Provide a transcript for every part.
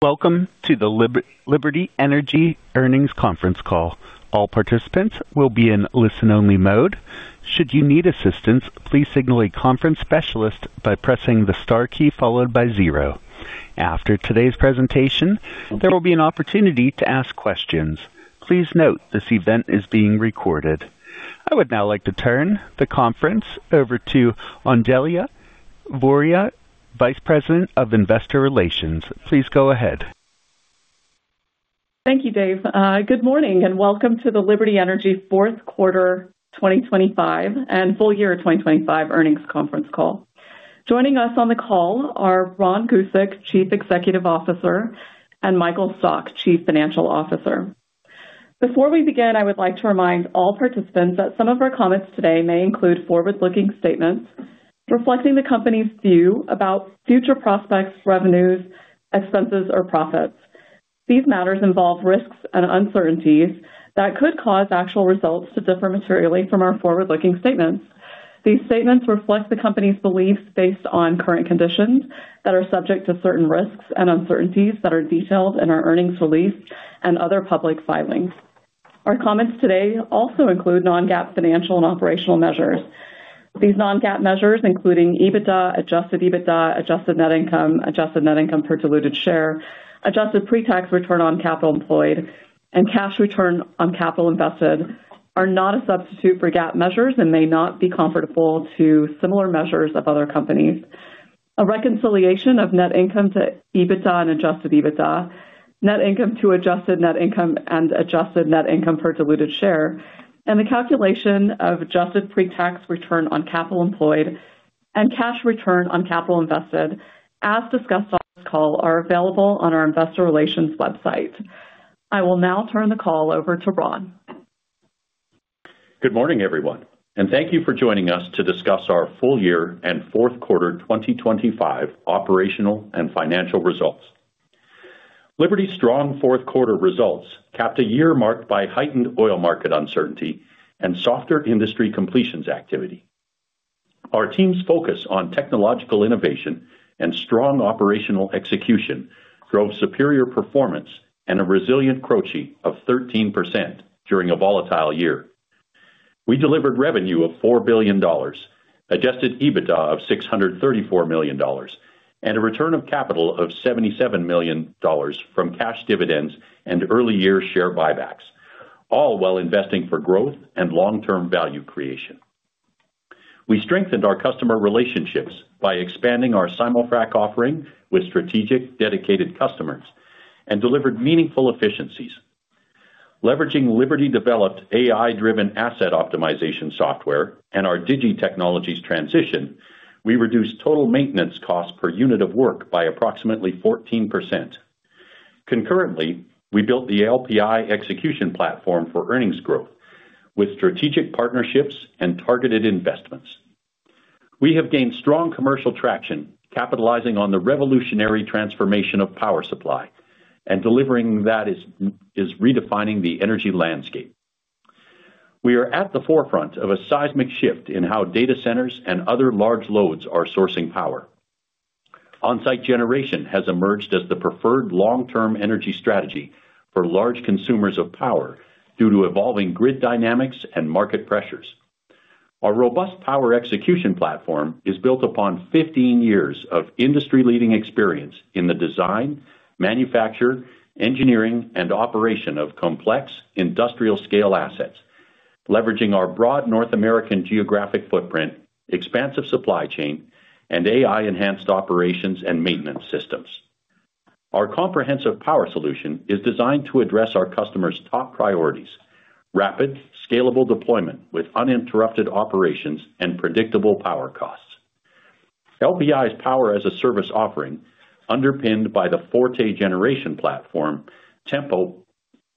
Welcome to the Liberty Energy earnings conference call. All participants will be in listen-only mode. Should you need assistance, please signal a conference specialist by pressing the star key followed by zero. After today's presentation, there will be an opportunity to ask questions. Please note, this event is being recorded. I would now like to turn the conference over to Anjali Voria, Vice President of Investor Relations. Please go ahead. Thank you, Dave. Good morning, and welcome to the Liberty Energy fourth quarter 2025 and full year 2025 earnings conference call. Joining us on the call are Ron Gusek, Chief Executive Officer, and Michael Stock, Chief Financial Officer. Before we begin, I would like to remind all participants that some of our comments today may include forward-looking statements reflecting the company's view about future prospects, revenues, expenses, or profits. These matters involve risks and uncertainties that could cause actual results to differ materially from our forward-looking statements. These statements reflect the company's beliefs based on current conditions that are subject to certain risks and uncertainties that are detailed in our earnings release and other public filings. Our comments today also include non-GAAP financial and operational measures. These non-GAAP measures, including EBITDA, adjusted EBITDA, adjusted net income, adjusted net income per diluted share, adjusted pre-tax return on capital employed, and cash return on capital invested, are not a substitute for GAAP measures and may not be comparable to similar measures of other companies. A reconciliation of net income to EBITDA and adjusted EBITDA, net income to adjusted net income and adjusted net income per diluted share, and the calculation of adjusted pre-tax return on capital employed and cash return on capital invested, as discussed on this call, are available on our investor relations website. I will now turn the call over to Ron. Good morning, everyone, and thank you for joining us to discuss our full year and fourth quarter 2025 operational and financial results. Liberty's strong fourth quarter results capped a year marked by heightened oil market uncertainty and softer industry completions activity. Our team's focus on technological innovation and strong operational execution drove superior performance and a resilient CROCI of 13% during a volatile year. We delivered revenue of $4 billion, adjusted EBITDA of $634 million, and a return of capital of $77 million from cash dividends and early year share buybacks, all while investing for growth and long-term value creation. We strengthened our customer relationships by expanding our Simul-Frac offering with strategic, dedicated customers and delivered meaningful efficiencies. Leveraging Liberty-developed AI-driven asset optimization software and our digiTechnologies transition, we reduced total maintenance costs per unit of work by approximately 14%. Concurrently, we built the LPI execution platform for earnings growth with strategic partnerships and targeted investments. We have gained strong commercial traction, capitalizing on the revolutionary transformation of power supply and delivering that is redefining the energy landscape. We are at the forefront of a seismic shift in how data centers and other large loads are sourcing power. On-site generation has emerged as the preferred long-term energy strategy for large consumers of power due to evolving grid dynamics and market pressures. Our robust power execution platform is built upon 15 years of industry-leading experience in the design, manufacture, engineering, and operation of complex industrial-scale assets, leveraging our broad North American geographic footprint, expansive supply chain, and AI-enhanced operations and maintenance systems. Our comprehensive power solution is designed to address our customers' top priorities: rapid, scalable deployment with uninterrupted operations and predictable power costs. LPI's Power as a Service offering, underpinned by the Forte generation platform, Tempo,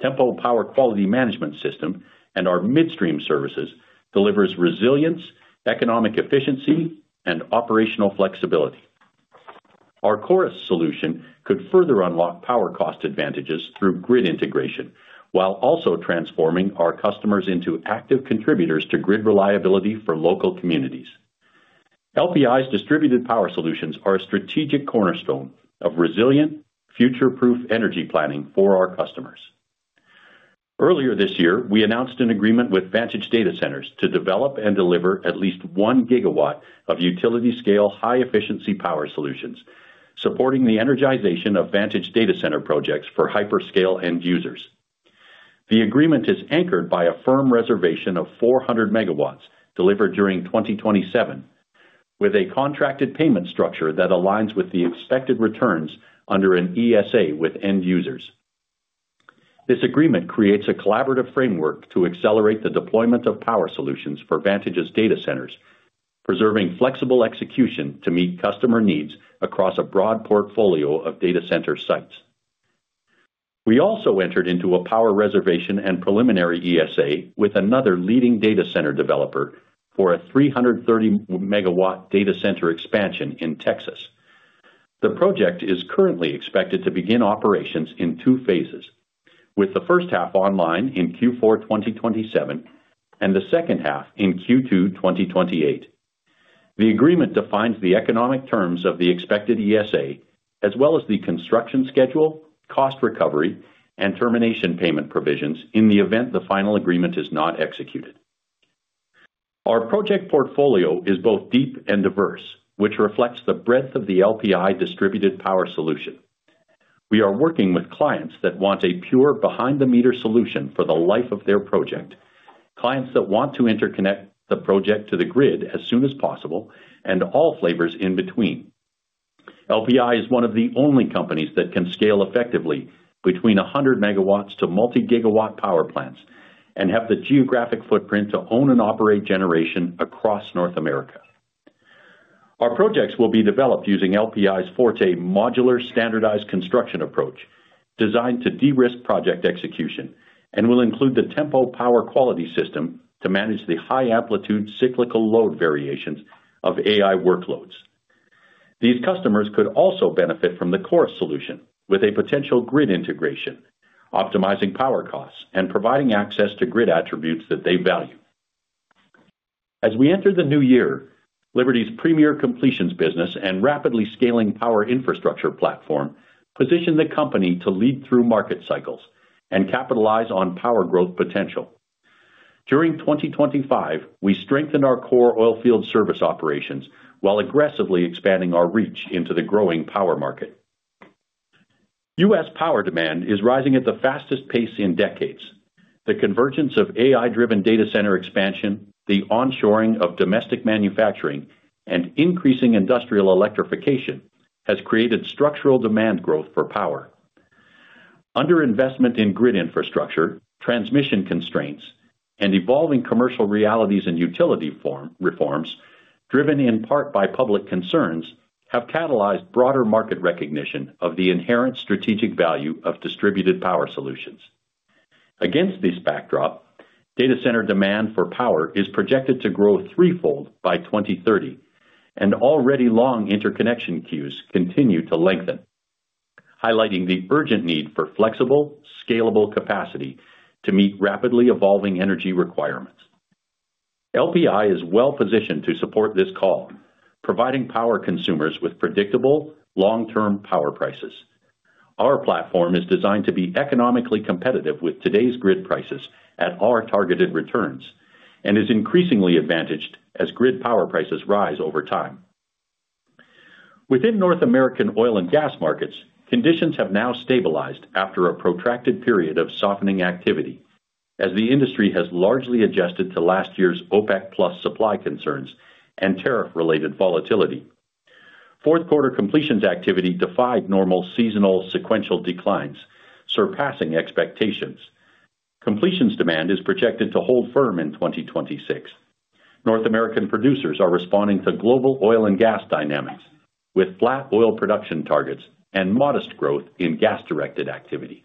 Tempo Power Quality Management System, and our midstream services, delivers resilience, economic efficiency, and operational flexibility. Our Chorus solution could further unlock power cost advantages through grid integration, while also transforming our customers into active contributors to grid reliability for local communities. LPI's distributed power solutions are a strategic cornerstone of resilient, future-proof energy planning for our customers. Earlier this year, we announced an agreement with Vantage Data Centers to develop and deliver at least 1 GW of utility-scale, high-efficiency power solutions, supporting the energization of Vantage Data Center projects for hyperscale end users. The agreement is anchored by a firm reservation of 400 MW delivered during 2027, with a contracted payment structure that aligns with the expected returns under an ESA with end users. This agreement creates a collaborative framework to accelerate the deployment of power solutions for Vantage's data centers, preserving flexible execution to meet customer needs across a broad portfolio of data center sites. We also entered into a power reservation and preliminary ESA with another leading data center developer for a 330-MW data center expansion in Texas. The project is currently expected to begin operations in two phases, with the first half online in Q4 2027 and the second half in Q2 2028. The agreement defines the economic terms of the expected ESA, as well as the construction schedule, cost recovery, and termination payment provisions in the event the final agreement is not executed. Our project portfolio is both deep and diverse, which reflects the breadth of the LPI distributed power solution. We are working with clients that want a pure behind-the-meter solution for the life of their project, clients that want to interconnect the project to the grid as soon as possible, and all flavors in between. LPI is one of the only companies that can scale effectively between 100 MW to multi-GW power plants and have the geographic footprint to own and operate generation across North America. Our projects will be developed using LPI's Forte modular standardized construction approach, designed to de-risk project execution, and will include the Tempo power quality system to manage the high-amplitude cyclical load variations of AI workloads. These customers could also benefit from the Chorus solution with a potential grid integration, optimizing power costs, and providing access to grid attributes that they value. As we enter the new year, Liberty's premier completions business and rapidly scaling power infrastructure platform position the company to lead through market cycles and capitalize on power growth potential. During 2025, we strengthened our core oil field service operations while aggressively expanding our reach into the growing power market. U.S. power demand is rising at the fastest pace in decades. The convergence of AI-driven data center expansion, the onshoring of domestic manufacturing, and increasing industrial electrification has created structural demand growth for power. Underinvestment in grid infrastructure, transmission constraints, and evolving commercial realities and utility reforms, driven in part by public concerns, have catalyzed broader market recognition of the inherent strategic value of distributed power solutions. Against this backdrop, data center demand for power is projected to grow threefold by 2030, and already long interconnection queues continue to lengthen, highlighting the urgent need for flexible, scalable capacity to meet rapidly evolving energy requirements. LPI is well-positioned to support this call, providing power consumers with predictable, long-term power prices. Our platform is designed to be economically competitive with today's grid prices at our targeted returns and is increasingly advantaged as grid power prices rise over time. Within North American oil and gas markets, conditions have now stabilized after a protracted period of softening activity, as the industry has largely adjusted to last year's OPEC Plus supply concerns and tariff-related volatility. Fourth quarter completions activity defied normal seasonal sequential declines, surpassing expectations. Completions demand is projected to hold firm in 2026. North American producers are responding to global oil and gas dynamics with flat oil production targets and modest growth in gas-directed activity.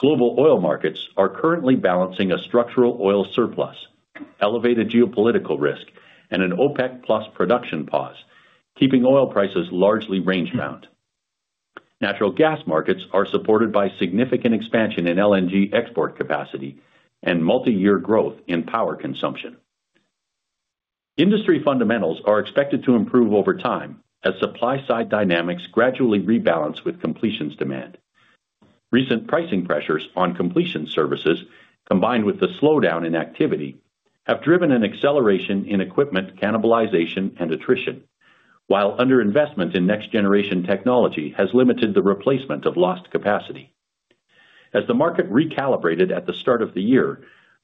Global oil markets are currently balancing a structural oil surplus, elevated geopolitical risk, and an OPEC Plus production pause, keeping oil prices largely range-bound. Natural gas markets are supported by significant expansion in LNG export capacity and multiyear growth in power consumption. Industry fundamentals are expected to improve over time as supply-side dynamics gradually rebalance with completions demand. Recent pricing pressures on completion services, combined with the slowdown in activity, have driven an acceleration in equipment cannibalization and attrition, while underinvestment in next-generation technology has limited the replacement of lost capacity. As the market recalibrated at the start of the year,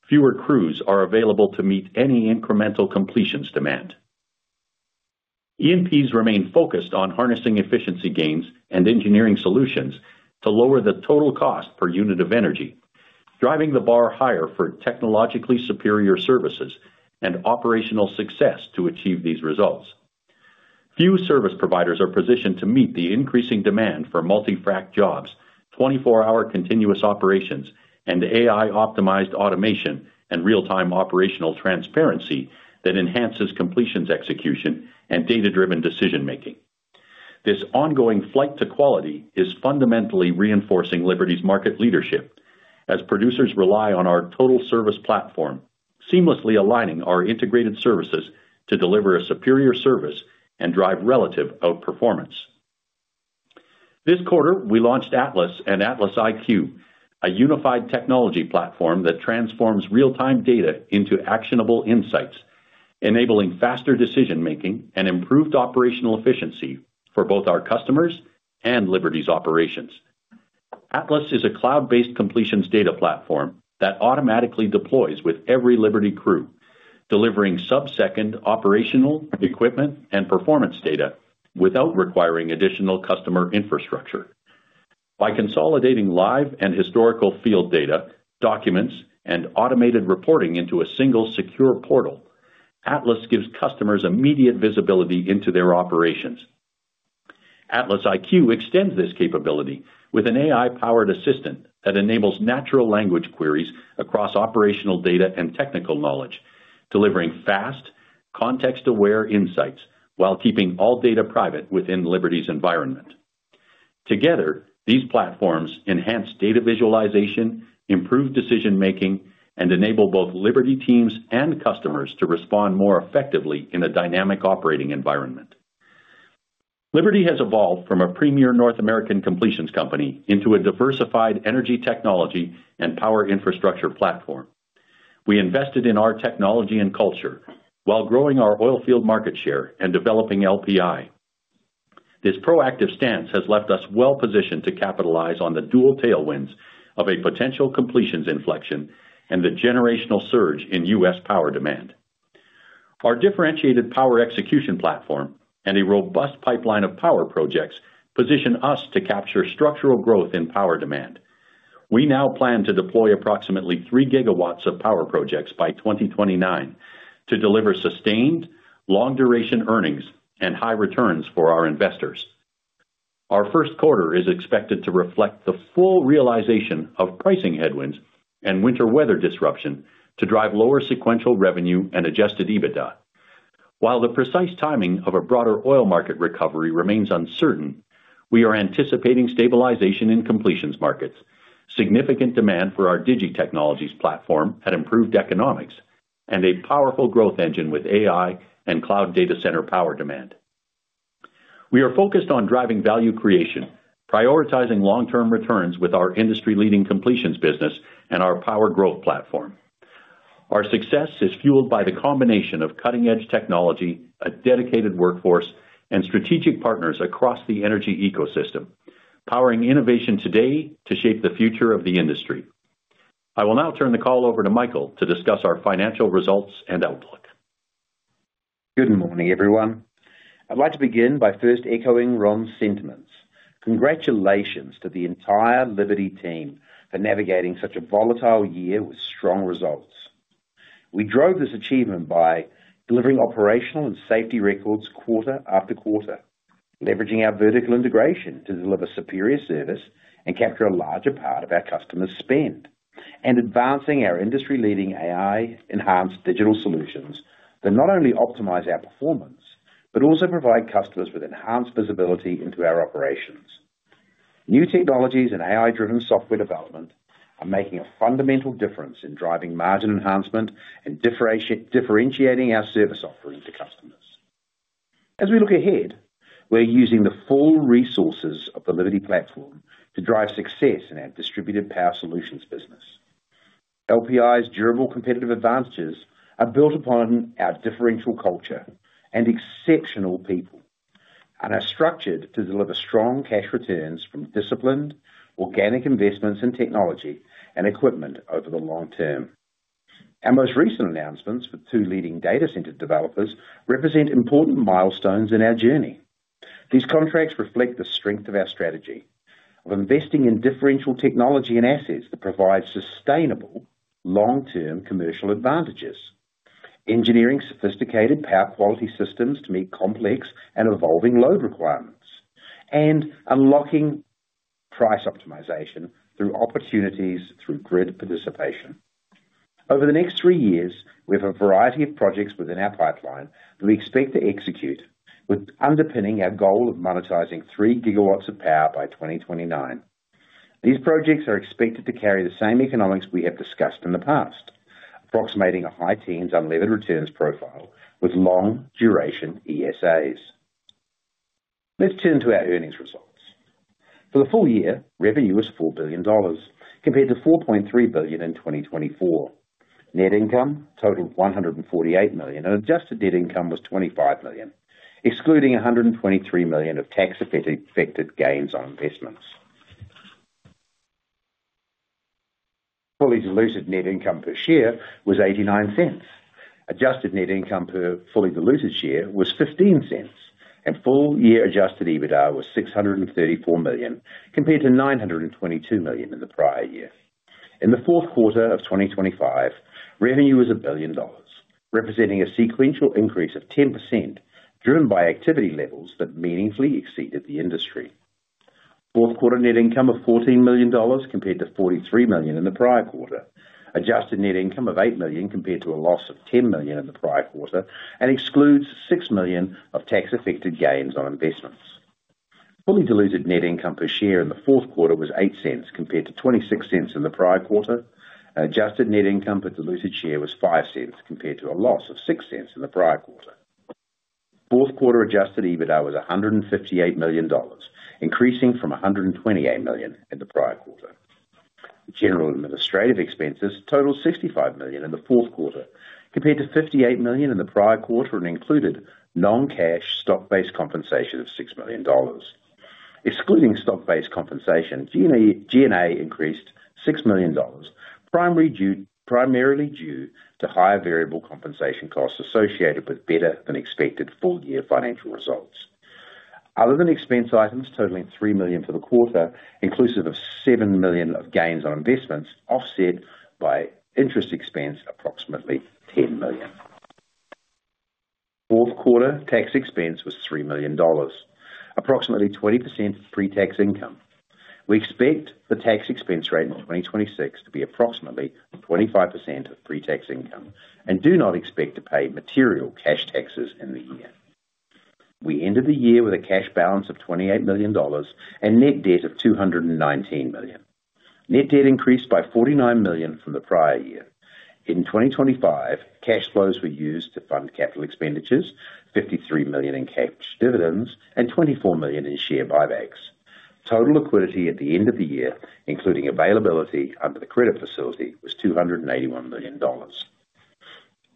fewer crews are available to meet any incremental completions demand. E&Ps remain focused on harnessing efficiency gains and engineering solutions to lower the total cost per unit of energy, driving the bar higher for technologically superior services and operational success to achieve these results. Few service providers are positioned to meet the increasing demand for multi-frack jobs, 24-hour continuous operations, and AI-optimized automation and real-time operational transparency that enhances completions execution and data-driven decision making. This ongoing flight to quality is fundamentally reinforcing Liberty's market leadership as producers rely on our total service platform, seamlessly aligning our integrated services to deliver a superior service and drive relative outperformance. This quarter, we launched Atlas and Atlas IQ, a unified technology platform that transforms real-time data into actionable insights, enabling faster decision-making and improved operational efficiency for both our customers and Liberty's operations. Atlas is a cloud-based completions data platform that automatically deploys with every Liberty crew, delivering subsecond operational equipment and performance data without requiring additional customer infrastructure. By consolidating live and historical field data, documents, and automated reporting into a single secure portal, Atlas gives customers immediate visibility into their operations. Atlas IQ extends this capability with an AI-powered assistant that enables natural language queries across operational data and technical knowledge, delivering fast, context-aware insights while keeping all data private within Liberty's environment. Together, these platforms enhance data visualization, improve decision making, and enable both Liberty teams and customers to respond more effectively in a dynamic operating environment. Liberty has evolved from a premier North American completions company into a diversified energy technology and power infrastructure platform. We invested in our technology and culture while growing our oil field market share and developing LPI. This proactive stance has left us well-positioned to capitalize on the dual tailwinds of a potential completions inflection and the generational surge in U.S. power demand. Our differentiated power execution platform and a robust pipeline of power projects position us to capture structural growth in power demand. We now plan to deploy approximately 3 GW of power projects by 2029 to deliver sustained, long-duration earnings and high returns for our investors. Our first quarter is expected to reflect the full realization of pricing headwinds and winter weather disruption to drive lower sequential revenue and adjusted EBITDA. While the precise timing of a broader oil market recovery remains uncertain, we are anticipating stabilization in completions markets, significant demand for our digiTechnologies platform and improved economics, and a powerful growth engine with AI and cloud data center power demand. We are focused on driving value creation, prioritizing long-term returns with our industry-leading completions business and our power growth platform. Our success is fueled by the combination of cutting-edge technology, a dedicated workforce, and strategic partners across the energy ecosystem, powering innovation today to shape the future of the industry. I will now turn the call over to Michael to discuss our financial results and outlook. Good morning, everyone. I'd like to begin by first echoing Ron's sentiments. Congratulations to the entire Liberty team for navigating such a volatile year with strong results. We drove this achievement by delivering operational and safety records quarter after quarter, leveraging our vertical integration to deliver superior service and capture a larger part of our customers' spend, and advancing our industry-leading AI-enhanced digital solutions that not only optimize our performance, but also provide customers with enhanced visibility into our operations. New technologies and AI-driven software development are making a fundamental difference in driving margin enhancement and differentiating our service offering to customers. As we look ahead, we're using the full resources of the Liberty platform to drive success in our distributed power solutions business. LPI's durable competitive advantages are built upon our differential culture and exceptional people, and are structured to deliver strong cash returns from disciplined, organic investments in technology and equipment over the long term. Our most recent announcements with two leading data center developers represent important milestones in our journey. These contracts reflect the strength of our strategy of investing in differential technology and assets that provide sustainable, long-term commercial advantages, engineering sophisticated power quality systems to meet complex and evolving load requirements, and unlocking price optimization through opportunities through grid participation. Over the next 3 years, we have a variety of projects within our pipeline that we expect to execute, with underpinning our goal of monetizing 3 GW of power by 2029. These projects are expected to carry the same economics we have discussed in the past, approximating a high teens unlevered returns profile with long duration ESAs. Let's turn to our earnings results. For the full year, revenue was $4 billion, compared to $4.3 billion in 2024. Net income totaled $148 million, and adjusted net income was $25 million, excluding $123 million of tax affected gains on investments. Fully diluted net income per share was $0.89. Adjusted net income per fully diluted share was $0.15, and full year adjusted EBITDA was $634 million, compared to $922 million in the prior year. In the fourth quarter of 2025, revenue was $1 billion, representing a sequential increase of 10%, driven by activity levels that meaningfully exceeded the industry. Fourth quarter net income of $14 million, compared to $43 million in the prior quarter. Adjusted net income of $8 million, compared to a loss of $10 million in the prior quarter, and excludes $6 million of tax-affected gains on investments. Fully diluted net income per share in the fourth quarter was $0.08, compared to $0.26 in the prior quarter, and adjusted net income per diluted share was $0.05, compared to a loss of $0.06 in the prior quarter. Fourth quarter adjusted EBITDA was $158 million, increasing from $128 million in the prior quarter. General administrative expenses totaled $65 million in the fourth quarter, compared to $58 million in the prior quarter, and included non-cash stock-based compensation of $6 million. Excluding stock-based compensation, G&A increased $6 million, primarily due to higher variable compensation costs associated with better-than-expected full-year financial results. Other than expense items totaling $3 million for the quarter, inclusive of $7 million of gains on investments, offset by interest expense, approximately $10 million. Fourth quarter tax expense was $3 million, approximately 20% pretax income. We expect the tax expense rate in 2026 to be approximately 25% of pre-tax income and do not expect to pay material cash taxes in the year. We ended the year with a cash balance of $28 million and net debt of $219 million. Net debt increased by $49 million from the prior year. In 2025, cash flows were used to fund capital expenditures, $53 million in cash dividends, and $24 million in share buybacks. Total liquidity at the end of the year, including availability under the credit facility, was $281 million.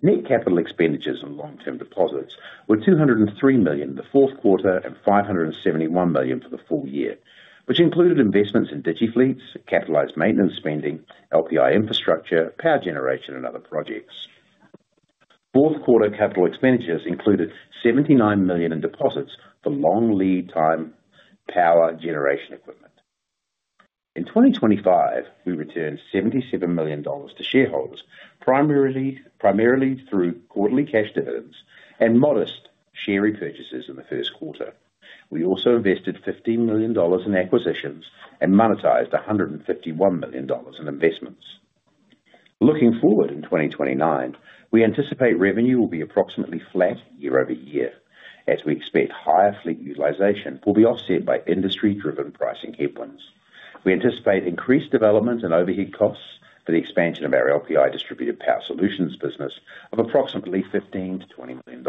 Net capital expenditures and long-term deposits were $203 million in the fourth quarter and $571 million for the full year, which included investments in digiFleets, capitalized maintenance spending, LPI infrastructure, power generation, and other projects. Fourth quarter capital expenditures included $79 million in deposits for long lead time power generation equipment. In 2025, we returned $77 million to shareholders, primarily through quarterly cash dividends and modest share repurchases in the first quarter. We also invested $15 million in acquisitions and monetized $151 million in investments. Looking forward, in 2029, we anticipate revenue will be approximately flat year-over-year, as we expect higher fleet utilization will be offset by industry-driven pricing headwinds. We anticipate increased development and overhead costs for the expansion of our LPI Distributed Power Solutions business of approximately $15 million-$20 million.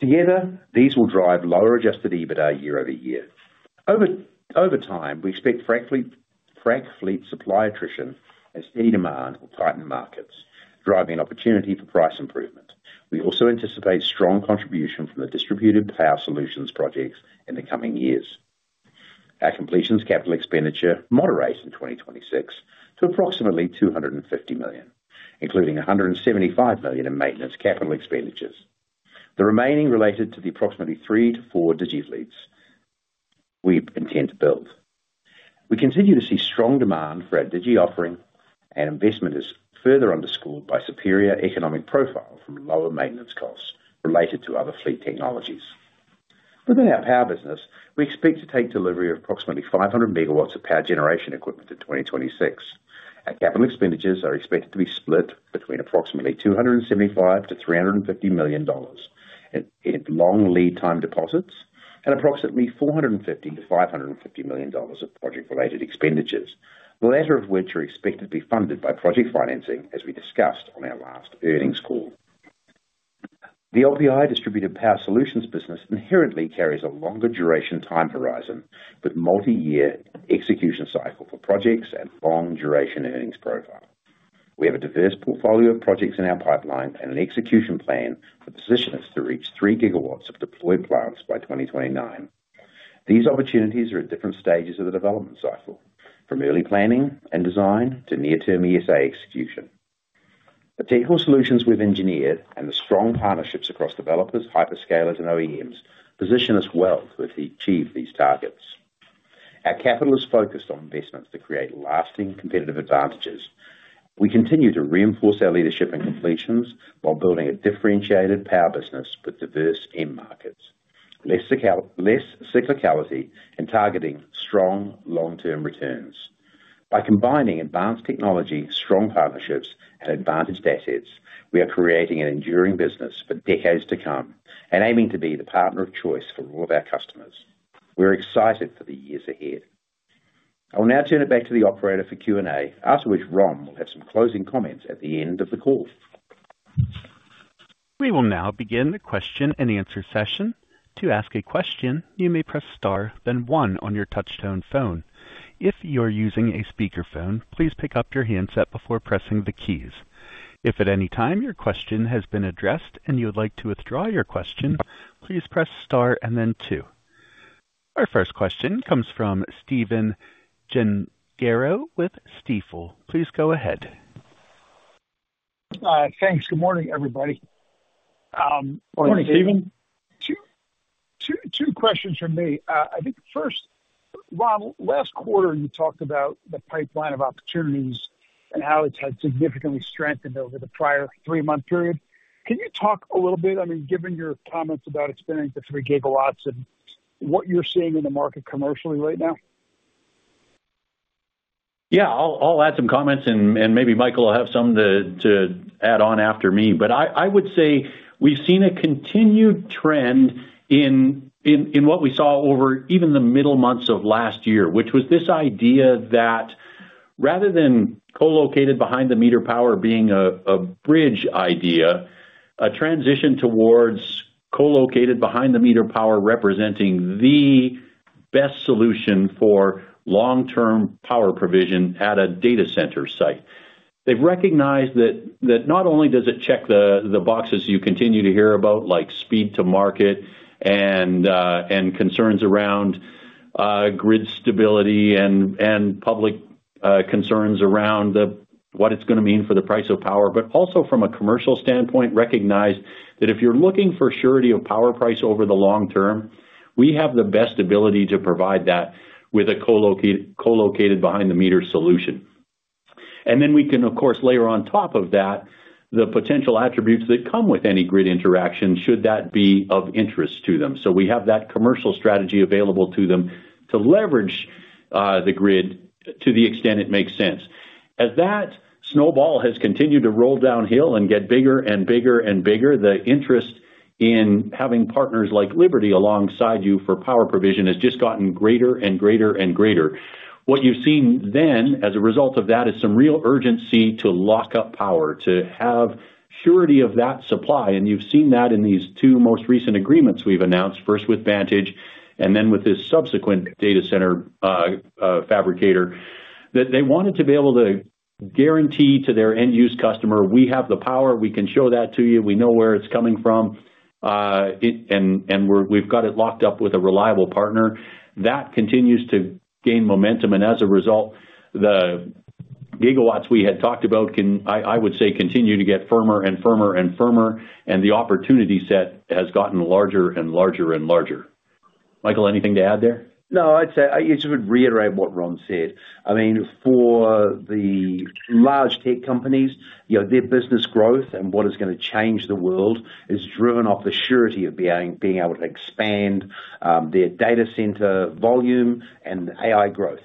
Together, these will drive lower adjusted EBITDA year over year. Over time, we expect frac fleet supply attrition as any demand will tighten the markets, driving an opportunity for price improvement. We also anticipate strong contribution from the Distributed Power Solutions projects in the coming years. Our completions capital expenditure moderates in 2026 to approximately $250 million, including $175 million in maintenance capital expenditures. The remaining related to the approximately 3-4 digiFleets we intend to build. We continue to see strong demand for our digi offering, and investment is further underscored by superior economic profile from lower maintenance costs related to other fleet technologies. Within our power business, we expect to take delivery of approximately 500 MW of power generation equipment in 2026. Our capital expenditures are expected to be split between approximately $275 million-$350 million in long lead time deposits and approximately $450 million-$550 million of project-related expenditures, the latter of which are expected to be funded by project financing, as we discussed on our last earnings call. The LPI Distributed Power Solutions business inherently carries a longer duration time horizon, with multiyear execution cycle for projects and long duration earnings profile. We have a diverse portfolio of projects in our pipeline and an execution plan that positions us to reach 3 GW of deployed plants by 2029. These opportunities are at different stages of the development cycle, from early planning and design to near-term ESA execution. The technical solutions we've engineered and the strong partnerships across developers, hyperscalers, and OEMs position us well to achieve these targets. Our capital is focused on investments that create lasting competitive advantages. We continue to reinforce our leadership in completions while building a differentiated power business with diverse end markets, less cyclicality, and targeting strong long-term returns. By combining advanced technology, strong partnerships, and advantaged assets, we are creating an enduring business for decades to come and aiming to be the partner of choice for all of our customers. We're excited for the years ahead. I will now turn it back to the operator for Q&A, after which Ron will have some closing comments at the end of the call. We will now begin the question-and-answer session. To ask a question, you may press star, then one on your touchtone phone. If you're using a speakerphone, please pick up your handset before pressing the keys. If at any time your question has been addressed and you would like to withdraw your question, please press star and then two. Our first question comes from Stephen Gengaro with Stifel. Please go ahead. Thanks. Good morning, everybody. Good morning, Stephen. Two questions from me. I think first, Ron, last quarter, you talked about the pipeline of opportunities and how it's had significantly strengthened over the prior three-month period. Can you talk a little bit, I mean, given your comments about expanding to three GW and what you're seeing in the market commercially right now? Yeah, I'll add some comments, and maybe Michael will have some to add on after me. But I would say we've seen a continued trend in what we saw over even the middle months of last year, which was this idea that rather than co-located behind-the-meter power being a bridge idea, a transition towards co-located behind-the-meter power representing the best solution for long-term power provision at a data center site. They've recognized that not only does it check the boxes you continue to hear about, like speed to market and concerns around grid stability and public concerns around the... what it's gonna mean for the price of power, but also from a commercial standpoint, recognize that if you're looking for surety of power price over the long term, we have the best ability to provide that with a co-located behind the meter solution.... Then we can, of course, layer on top of that, the potential attributes that come with any grid interaction, should that be of interest to them. So we have that commercial strategy available to them to leverage the grid to the extent it makes sense. As that snowball has continued to roll downhill and get bigger and bigger and bigger, the interest in having partners like Liberty alongside you for power provision has just gotten greater and greater and greater. What you've seen then, as a result of that, is some real urgency to lock up power, to have surety of that supply, and you've seen that in these two most recent agreements we've announced, first with Vantage, and then with this subsequent data center fabricator. That they wanted to be able to guarantee to their end use customer, we have the power, we can show that to you, we know where it's coming from, it, and we've got it locked up with a reliable partner. That continues to gain momentum, and as a result, the GW we had talked about can, I would say, continue to get firmer and firmer and firmer, and the opportunity set has gotten larger and larger and larger. Michael, anything to add there? No, I'd say, I just would reiterate what Ron said. I mean, for the large tech companies, you know, their business growth and what is gonna change the world is driven off the surety of being able to expand their data center volume and AI growth.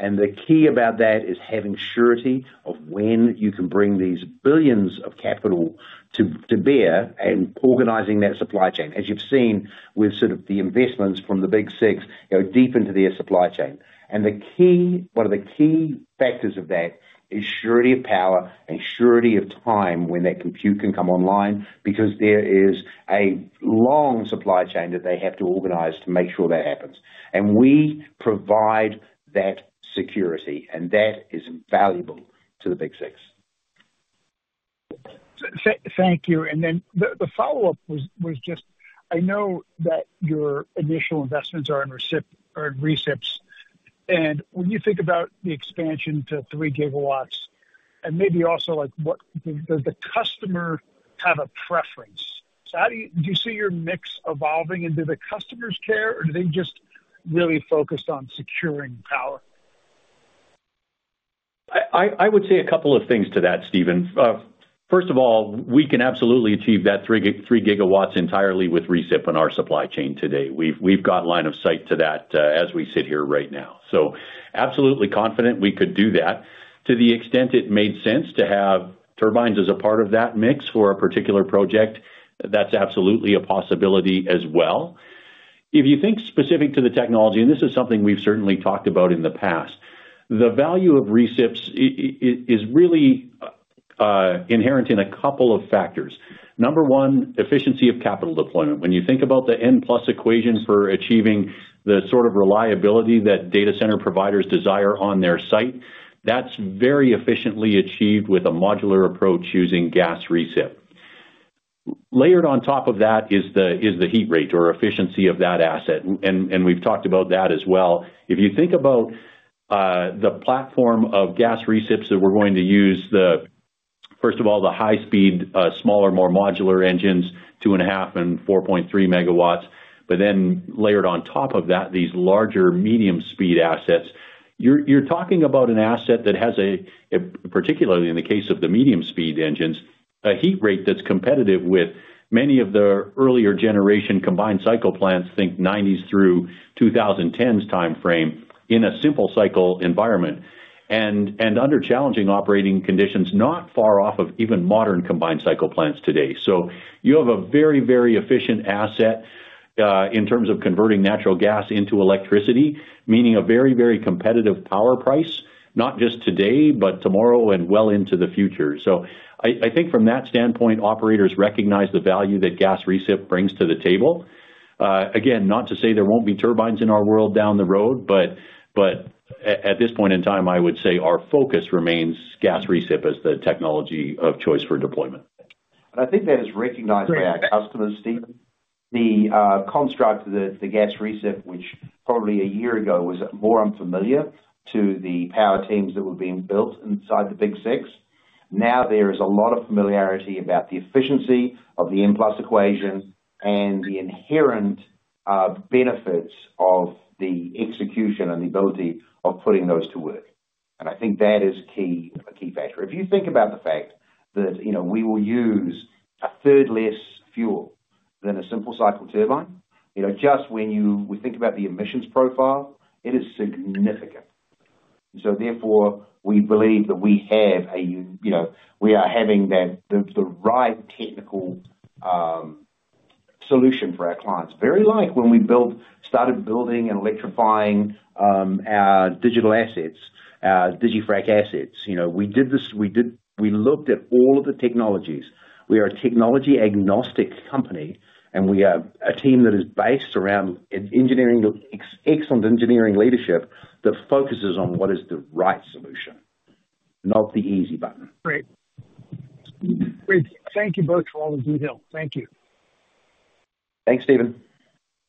And the key about that is having surety of when you can bring these billions of capital to bear and organizing that supply chain. As you've seen with sort of the investments from the Big Six, go deep into their supply chain. And the key—one of the key factors of that is surety of power and surety of time when that compute can come online, because there is a long supply chain that they have to organize to make sure that happens. And we provide that security, and that is valuable to the Big Six. Thank you. And then the follow-up was just, I know that your initial investments are in recips, and when you think about the expansion to 3 GW, and maybe also, like, does the customer have a preference? So how do you see your mix evolving and do the customers care, or do they just really focused on securing power? I would say a couple of things to that, Stephen. First of all, we can absolutely achieve that 3 GW entirely with recip in our supply chain today. We've got line of sight to that, as we sit here right now. So absolutely confident we could do that. To the extent it made sense to have turbines as a part of that mix for a particular project, that's absolutely a possibility as well. If you think specific to the technology, and this is something we've certainly talked about in the past, the value of recips is really inherent in a couple of factors. Number one, efficiency of capital deployment. When you think about the N+ equation for achieving the sort of reliability that data center providers desire on their site, that's very efficiently achieved with a modular approach using gas recip. Layered on top of that is the, is the heat rate or efficiency of that asset, and, and we've talked about that as well. If you think about, the platform of gas recips that we're going to use, the, first of all, the high speed, smaller, more modular engines, 2.5 and 4.3 MW, but then layered on top of that, these larger medium speed assets, you're, you're talking about an asset that has a, a, particularly in the case of the medium speed engines, a heat rate that's competitive with many of the earlier generation combined cycle plants, think 1990s through 2010s timeframe, in a simple cycle environment. Under challenging operating conditions, not far off of even modern combined cycle plants today. So you have a very, very efficient asset in terms of converting natural gas into electricity, meaning a very, very competitive power price, not just today, but tomorrow and well into the future. So I think from that standpoint, operators recognize the value that gas recip brings to the table. Again, not to say there won't be turbines in our world down the road, but at this point in time, I would say our focus remains gas recip as the technology of choice for deployment. I think that is recognized by our customers, Stephen. The construct, the gas recip, which probably a year ago was more unfamiliar to the power teams that were being built inside the Big Six, now there is a lot of familiarity about the efficiency of the N+ equation and the inherent benefits of the execution and the ability of putting those to work. And I think that is key, a key factor. If you think about the fact that, you know, we will use a third less fuel than a simple cycle turbine, you know, just when you—we think about the emissions profile, it is significant. So therefore, we believe that we have a, you know, we are having that—the, the right technical solution for our clients. Very, like when we started building and electrifying our digital assets, our digiFrac assets. You know, we did this, we looked at all of the technologies. We are a technology-agnostic company, and we are a team that is based around engineering, excellent engineering leadership, that focuses on what is the right solution, not the easy button. Great. Great. Thank you both for all the detail. Thank you. Thanks, Steven.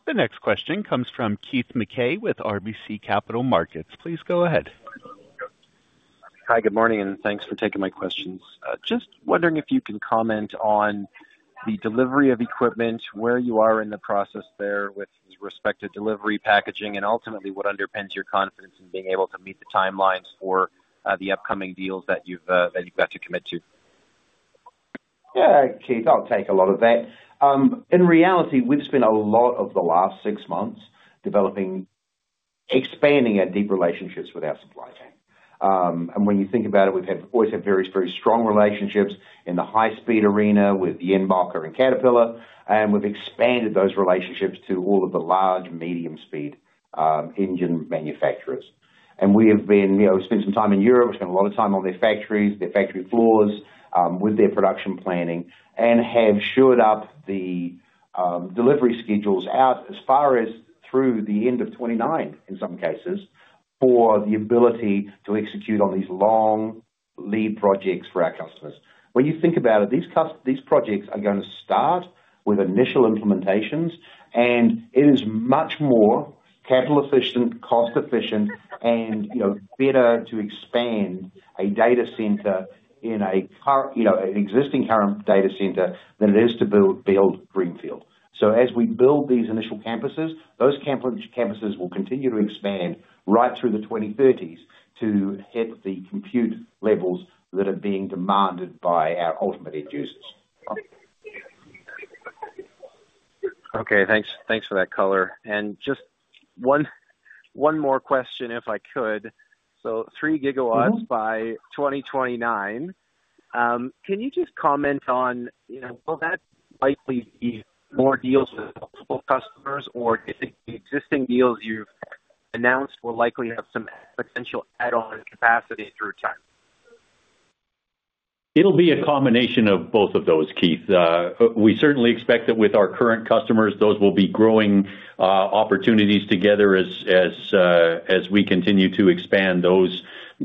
The next question comes from Keith Mackey with RBC Capital Markets. Please go ahead. Hi, good morning, and thanks for taking my questions. Just wondering if you can comment on the delivery of equipment, where you are in the process there with respect to delivery, packaging, and ultimately, what underpins your confidence in being able to meet the timelines for, the upcoming deals that you've, that you've got to commit to? ... Yeah, Keith, I'll take a lot of that. In reality, we've spent a lot of the last six months developing, expanding our deep relationships with our supply chain. And when you think about it, we've always had very, very strong relationships in the high speed arena with Jenbacher and Caterpillar, and we've expanded those relationships to all of the large medium speed engine manufacturers. And we have been, you know, spent some time in Europe. We've spent a lot of time on their factories, their factory floors with their production planning, and have shored up the delivery schedules out as far as through the end of 2029, in some cases, for the ability to execute on these long lead projects for our customers. When you think about it, these projects are going to start with initial implementations, and it is much more capital efficient, cost efficient, and, you know, better to expand a data center in a current, you know, an existing current data center than it is to build greenfield. So as we build these initial campuses, those campuses will continue to expand right through the 2030s to hit the compute levels that are being demanded by our ultimate end users. Okay, thanks. Thanks for that color. And just one more question, if I could. So 3 GW by 2029. Can you just comment on, you know, will that likely be more deals with multiple customers? Or do you think the existing deals you've announced will likely have some exponential add-on capacity through time? It'll be a combination of both of those, Keith. We certainly expect that with our current customers, those will be growing opportunities together as we continue to expand those,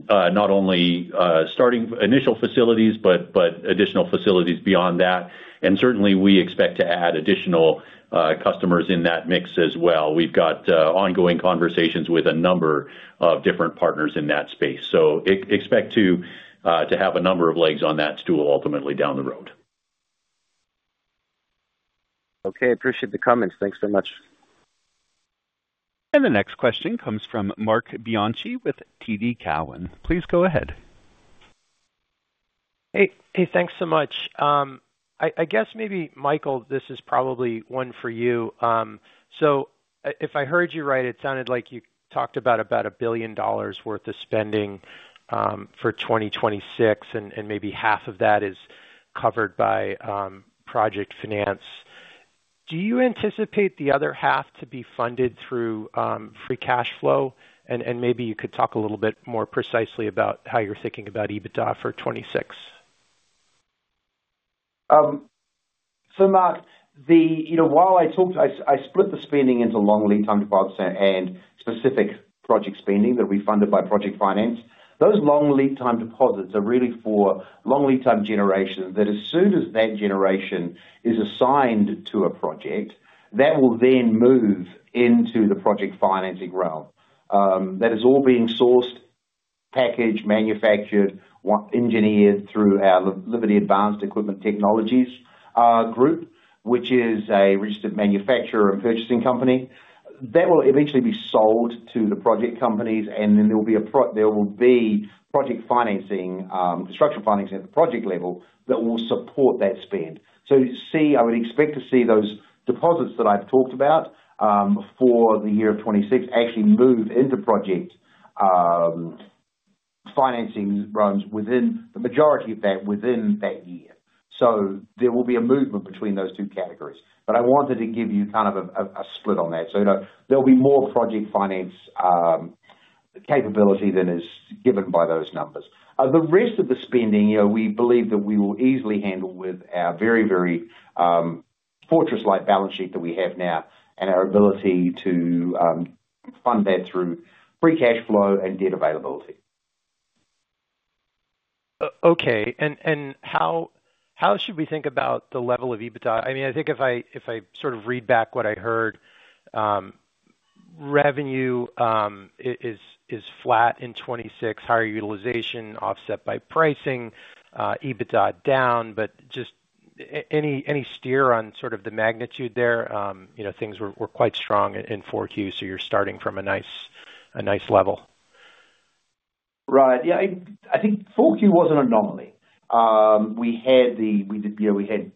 not only starting initial facilities, but additional facilities beyond that. And certainly, we expect to add additional customers in that mix as well. We've got ongoing conversations with a number of different partners in that space. So expect to have a number of legs on that stool ultimately down the road. Okay, appreciate the comments. Thanks so much. The next question comes from Marc Bianchi with TD Cowen. Please go ahead. Hey, hey, thanks so much. I guess maybe, Michael, this is probably one for you. So if I heard you right, it sounded like you talked about $1 billion worth of spending for 2026, and maybe half of that is covered by project finance. Do you anticipate the other half to be funded through free cash flow? And maybe you could talk a little bit more precisely about how you're thinking about EBITDA for 2026. So, Mark, the, you know, while I talked, I, I split the spending into long lead time deposits and specific project spending that will be funded by project finance. Those long lead time deposits are really for long lead time generations, that as soon as that generation is assigned to a project, that will then move into the project financing realm. That is all being sourced, packaged, manufactured, engineered through our L- Liberty Advanced Equipment Technologies, group, which is a registered manufacturer and purchasing company. That will eventually be sold to the project companies, and then there will be a pro- there will be project financing, structural financing at the project level that will support that spend. So see, I would expect to see those deposits that I've talked about for the year of 2026, actually move into project financing realms within the majority of that, within that year. So there will be a movement between those two categories. But I wanted to give you kind of a split on that. So, you know, there'll be more project finance capability than is given by those numbers. The rest of the spending, you know, we believe that we will easily handle with our very, very fortress-like balance sheet that we have now and our ability to fund that through free cash flow and debt availability. Okay, and how should we think about the level of EBITDA? I mean, I think if I sort of read back what I heard, revenue is flat in 2026, higher utilization offset by pricing, EBITDA down, but just any steer on sort of the magnitude there? You know, things were quite strong in Q4, so you're starting from a nice level. Right. Yeah, I think Q4 was an anomaly. We had, you know, we had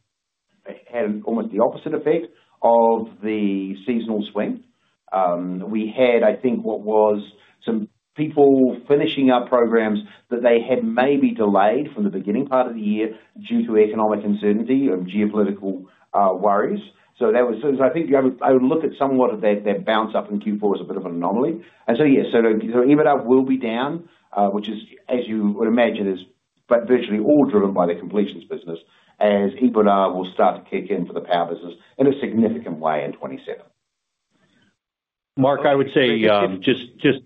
almost the opposite effect of the seasonal swing. We had, I think, some people finishing up programs that they had maybe delayed from the beginning part of the year due to economic uncertainty or geopolitical worries. So that was, so I think you have I would look at somewhat of that bounce up in Q4 as a bit of an anomaly. And so, yes, EBITDA will be down, which is, as you would imagine, but virtually all driven by the completions business, as EBITDA will start to kick in for the power business in a significant way in 2027. Mark, I would say, just,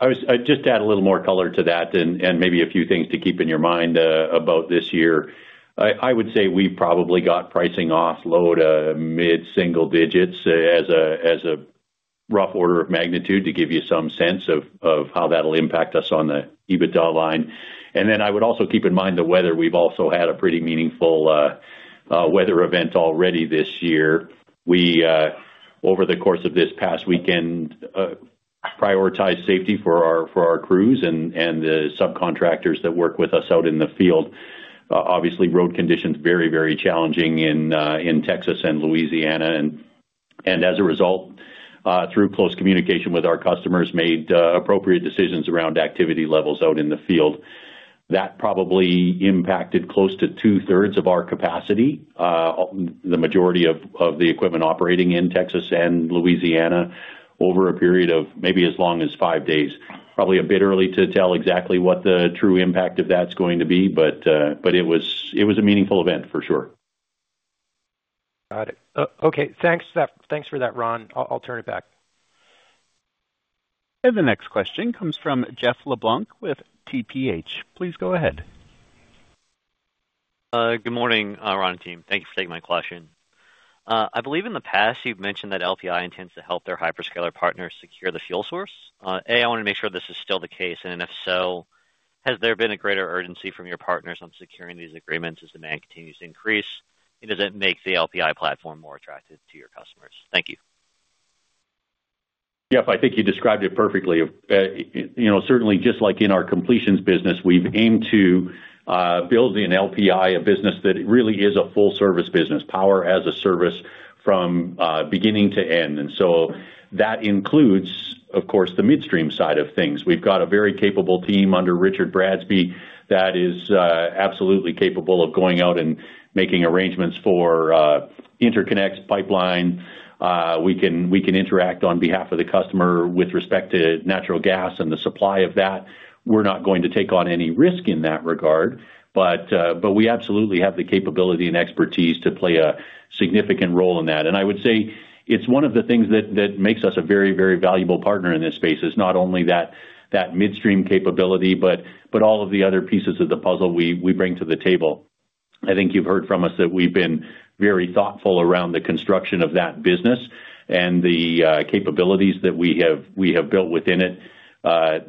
I just add a little more color to that and, and maybe a few things to keep in your mind, about this year. I would say we probably got pricing off load, mid-single digits as a rough order of magnitude to give you some sense of, of how that'll impact us on the EBITDA line. And then I would also keep in mind the weather. We've also had a pretty meaningful weather event already this year. We over the course of this past weekend prioritized safety for our crews and the subcontractors that work with us out in the field. Obviously, road conditions very, very challenging in Texas and Louisiana, and as a result, through close communication with our customers, made appropriate decisions around activity levels out in the field. That probably impacted close to two-thirds of our capacity, the majority of the equipment operating in Texas and Louisiana over a period of maybe as long as five days. Probably a bit early to tell exactly what the true impact of that's going to be, but it was a meaningful event for sure. Got it. Okay, thanks for that, Ron. I'll turn it back. The next question comes from Jeff LeBlanc with TPH. Please go ahead. Good morning, Ron and team. Thank you for taking my question. I believe in the past, you've mentioned that LPI intends to help their hyperscaler partners secure the fuel source. A, I want to make sure this is still the case, and if so, has there been a greater urgency from your partners on securing these agreements as demand continues to increase? And does it make the LPI platform more attractive to your customers? Thank you. Yep, I think you described it perfectly. You know, certainly just like in our completions business, we've aimed to build the LPI, a business that really is a full-service business, power as a service from beginning to end. And so that includes, of course, the midstream side of things. We've got a very capable team under Richard Bradsby that is absolutely capable of going out and making arrangements for interconnect pipeline. We can, we can interact on behalf of the customer with respect to natural gas and the supply of that. We're not going to take on any risk in that regard, but, but we absolutely have the capability and expertise to play a significant role in that. And I would say it's one of the things that makes us a very, very valuable partner in this space. It's not only that, that midstream capability, but, but all of the other pieces of the puzzle we, we bring to the table. I think you've heard from us that we've been very thoughtful around the construction of that business and the capabilities that we have, we have built within it.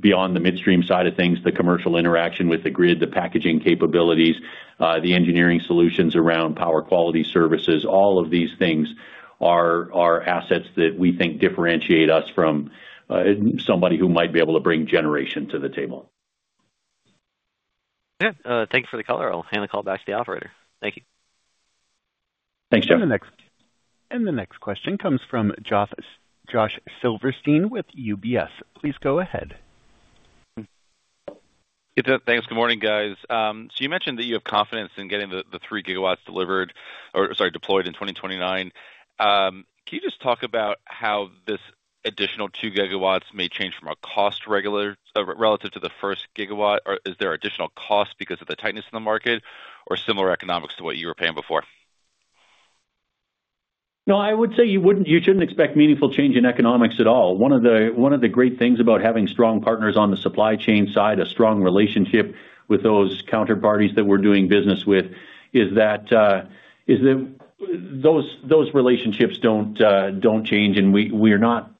Beyond the midstream side of things, the commercial interaction with the grid, the packaging capabilities, the engineering solutions around power quality services, all of these things are, are assets that we think differentiate us from somebody who might be able to bring generation to the table. Yeah. Thank you for the color. I'll hand the call back to the operator. Thank you. Thanks, Jeff. And the next question comes from Josh Silverstein with UBS. Please go ahead. Thanks. Good morning, guys. So you mentioned that you have confidence in getting the, the 3 GW delivered or, sorry, deployed in 2029. Can you just talk about how this additional 2 GW may change from a cost relative to the first GW? Or is there additional cost because of the tightness in the market or similar economics to what you were paying before? No, I would say you wouldn't, you shouldn't expect meaningful change in economics at all. One of the, one of the great things about having strong partners on the supply chain side, a strong relationship with those counterparties that we're doing business with, is that those, those relationships don't change, and we, we're not,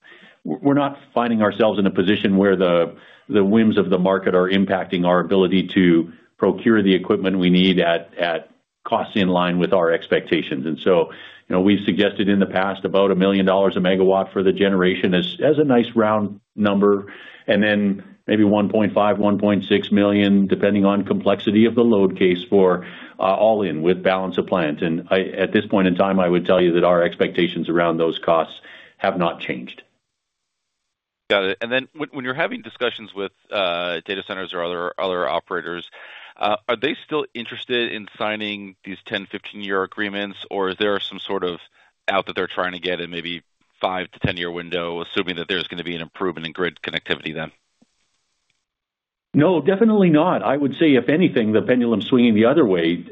we're not finding ourselves in a position where the, the whims of the market are impacting our ability to procure the equipment we need at costs in line with our expectations. So, you know, we've suggested in the past about $1 million a MW for the generation as a nice round number, and then maybe $1.5 million-$1.6 million, depending on complexity of the load case for all-in with balance of plant. At this point in time, I would tell you that our expectations around those costs have not changed. Got it. And then when you're having discussions with data centers or other operators, are they still interested in signing these 10, 15-year agreements, or is there some sort of out that they're trying to get in maybe 5-10-year window, assuming that there's going to be an improvement in grid connectivity then? No, definitely not. I would say, if anything, the pendulum swinging the other way,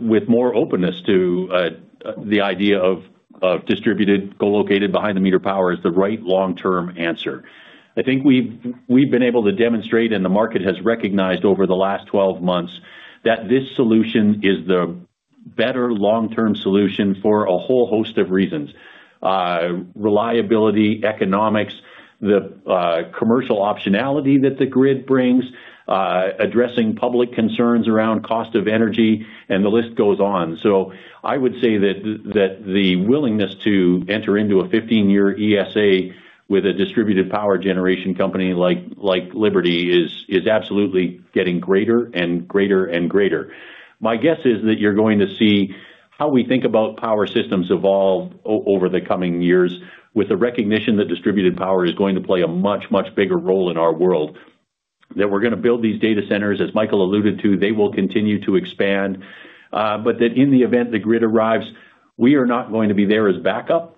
with more openness to, the idea of distributed, co-located, behind-the-meter power is the right long-term answer. I think we've been able to demonstrate, and the market has recognized over the last 12 months, that this solution is the better long-term solution for a whole host of reasons: reliability, economics, the commercial optionality that the grid brings, addressing public concerns around cost of energy, and the list goes on. So I would say that the willingness to enter into a 15-year ESA with a distributed power generation company like Liberty is absolutely getting greater and greater and greater. My guess is that you're going to see how we think about power systems evolve over the coming years with the recognition that distributed power is going to play a much, much bigger role in our world. That we're gonna build these data centers, as Michael alluded to, they will continue to expand, but that in the event the grid arrives, we are not going to be there as backup,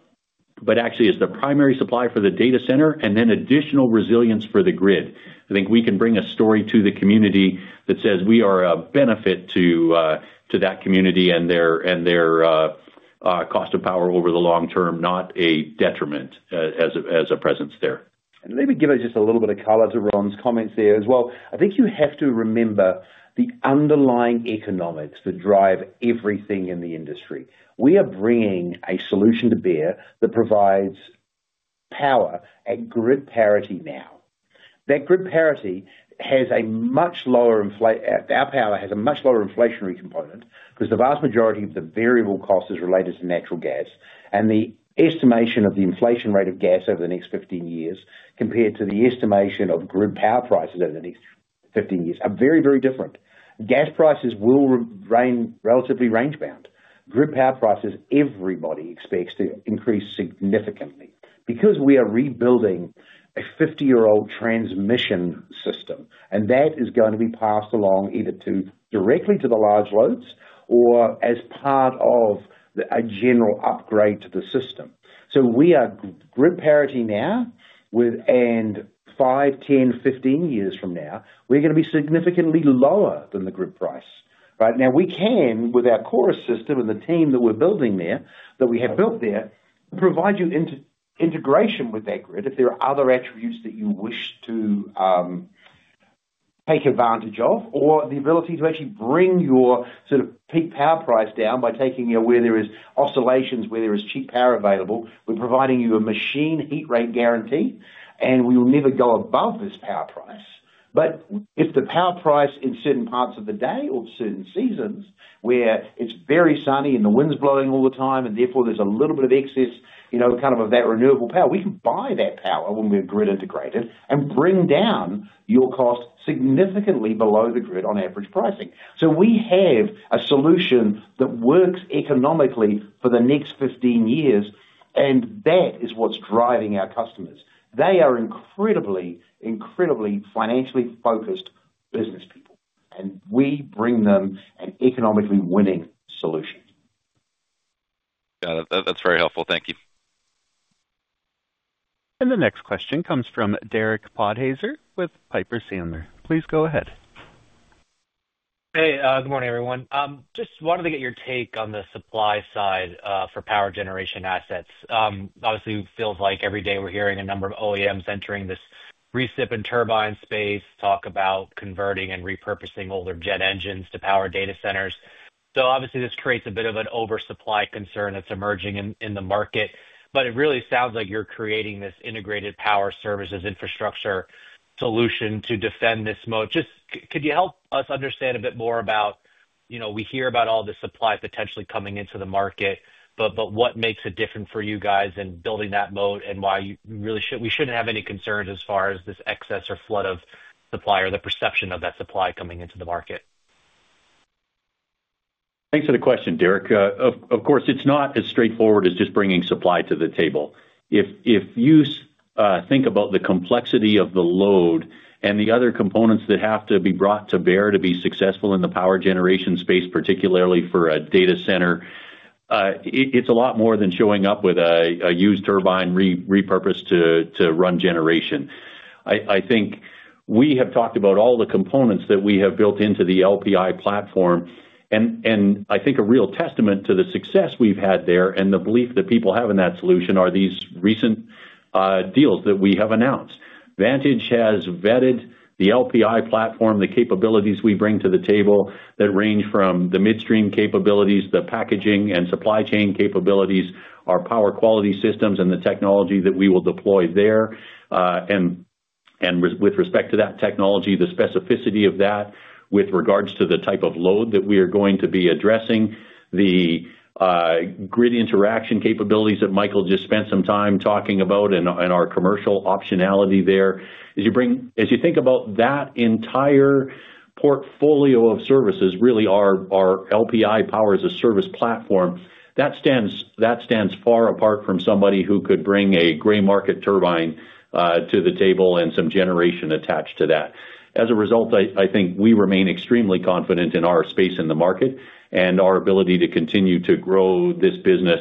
but actually as the primary supply for the data center and then additional resilience for the grid. I think we can bring a story to the community that says we are a benefit to that community and their cost of power over the long term, not a detriment as a presence there. Let me give us just a little bit of color to Ron's comments there as well. I think you have to remember the underlying economics that drive everything in the industry. We are bringing a solution to bear that provides-... power at grid parity now. That grid parity has a much lower inflationary component because the vast majority of the variable cost is related to natural gas, and the estimation of the inflation rate of gas over the next 15 years compared to the estimation of grid power prices over the next 15 years are very, very different. Gas prices will remain relatively range-bound. Grid power prices, everybody expects to increase significantly because we are rebuilding a 50-year-old transmission system, and that is going to be passed along either to, directly to the large loads or as part of the, a general upgrade to the system. So we are grid parity now, and 5, 10, 15 years from now, we're going to be significantly lower than the grid price. Right now, we can, with our core system and the team that we're building there, that we have built there, provide you integration with that grid if there are other attributes that you wish to take advantage of, or the ability to actually bring your sort of peak power price down by taking you where there is oscillations, where there is cheap power available. We're providing you a machine heat rate guarantee, and we will never go above this power price. But if the power price in certain parts of the day or certain seasons, where it's very sunny and the wind's blowing all the time, and therefore there's a little bit of excess, you know, kind of that renewable power, we can buy that power when we're grid integrated and bring down your cost significantly below the grid on average pricing. We have a solution that works economically for the next 15 years, and that is what's driving our customers. They are incredibly, incredibly financially focused business people, and we bring them an economically winning solution. Got it. That, that's very helpful. Thank you. The next question comes from Derek Podhaizer, with Piper Sandler. Please go ahead. Hey, good morning, everyone. Just wanted to get your take on the supply side for power generation assets. Obviously, it feels like every day we're hearing a number of OEMs entering this recip and turbine space, talk about converting and repurposing older jet engines to power data centers. So obviously, this creates a bit of an oversupply concern that's emerging in the market, but it really sounds like you're creating this integrated power services infrastructure solution to defend this mode. Just, could you help us understand a bit more about, you know, we hear about all the supply potentially coming into the market, but what makes it different for you guys in building that moat and why you really should, we shouldn't have any concerns as far as this excess or flood of supply or the perception of that supply coming into the market? Thanks for the question, Derek. Of course, it's not as straightforward as just bringing supply to the table. If you think about the complexity of the load and the other components that have to be brought to bear to be successful in the power generation space, particularly for a data center, it's a lot more than showing up with a used turbine repurposed to run generation. I think we have talked about all the components that we have built into the LPI platform, and I think a real testament to the success we've had there and the belief that people have in that solution are these recent deals that we have announced. Vantage has vetted the LPI platform, the capabilities we bring to the table that range from the midstream capabilities, the packaging and supply chain capabilities, our power quality systems, and the technology that we will deploy there. And with respect to that technology, the specificity of that with regards to the type of load that we are going to be addressing, the grid interaction capabilities that Michael just spent some time talking about and our commercial optionality there. As you think about that entire portfolio of services, really, our LPI power as a service platform, that stands far apart from somebody who could bring a gray market turbine to the table and some generation attached to that. As a result, I think we remain extremely confident in our space in the market and our ability to continue to grow this business,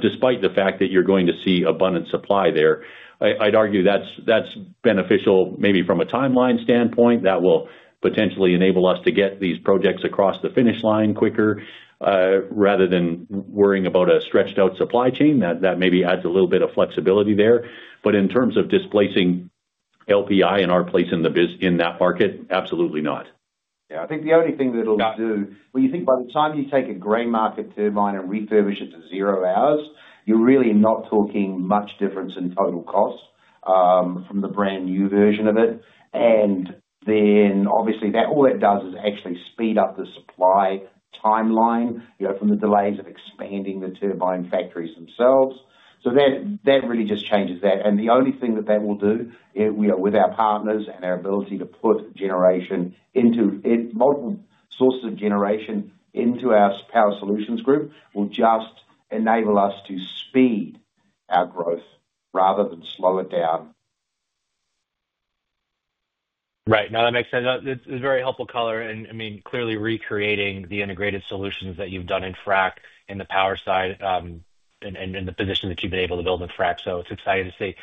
despite the fact that you're going to see abundant supply there. I'd argue that's beneficial maybe from a timeline standpoint, that will potentially enable us to get these projects across the finish line quicker, rather than worrying about a stretched out supply chain. That maybe adds a little bit of flexibility there. But in terms of displacing LPI and our place in the business in that market, absolutely not. Yeah, I think the only thing that it'll do- Yeah. When you think by the time you take a gray market turbine and refurbish it to zero hours, you're really not talking much difference in total cost from the brand-new version of it. And then, obviously, that all that does is actually speed up the supply timeline, you know, from the delays of expanding the turbine factories themselves. So that really just changes that. And the only thing that that will do, you know, with our partners and our ability to put generation into it multiple sources of generation into our power solutions group, will just enable us to speed our growth rather than slow it down. Right. Now, that makes sense. That's a very helpful color, and I mean, clearly recreating the integrated solutions that you've done in frac in the power side, and, and in the position that you've been able to build in frac. So it's exciting to see.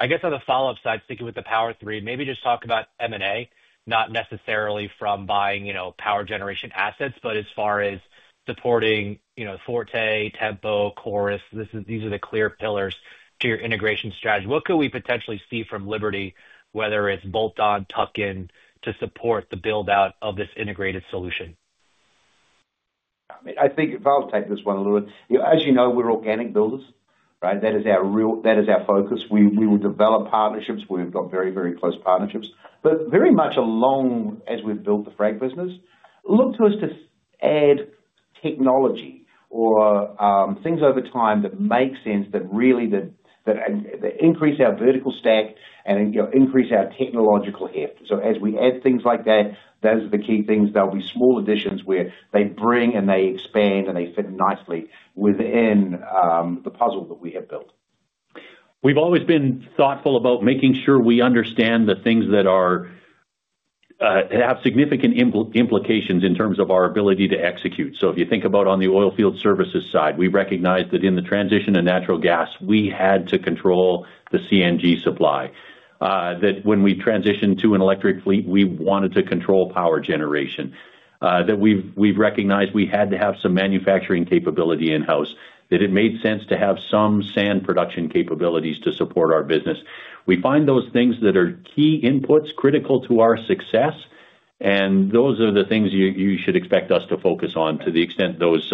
I guess on the follow-up side, sticking with the power three, maybe just talk about M&A, not necessarily from buying, you know, power generation assets, but as far as supporting, you know, Forte, Tempo, Chorus, this is—these are the clear pillars to your integration strategy. What could we potentially see from Liberty, whether it's bolt-on, tuck-in, to support the build-out of this integrated solution? ... I mean, I think if I'll take this one a little bit. You know, as you know, we're organic builders, right? That is our real focus. That is our focus. We will develop partnerships. We've got very, very close partnerships, but very much along as we've built the frac business, look to us to add technology or things over time that make sense, that really that increase our vertical stack and, you know, increase our technological heft. So as we add things like that, those are the key things. There'll be small additions where they bring and they expand, and they fit nicely within the puzzle that we have built. We've always been thoughtful about making sure we understand the things that have significant implications in terms of our ability to execute. So if you think about on the oil field services side, we recognize that in the transition to natural gas, we had to control the CNG supply. That when we transitioned to an electric fleet, we wanted to control power generation. That we've recognized we had to have some manufacturing capability in-house, that it made sense to have some sand production capabilities to support our business. We find those things that are key inputs critical to our success, and those are the things you should expect us to focus on to the extent those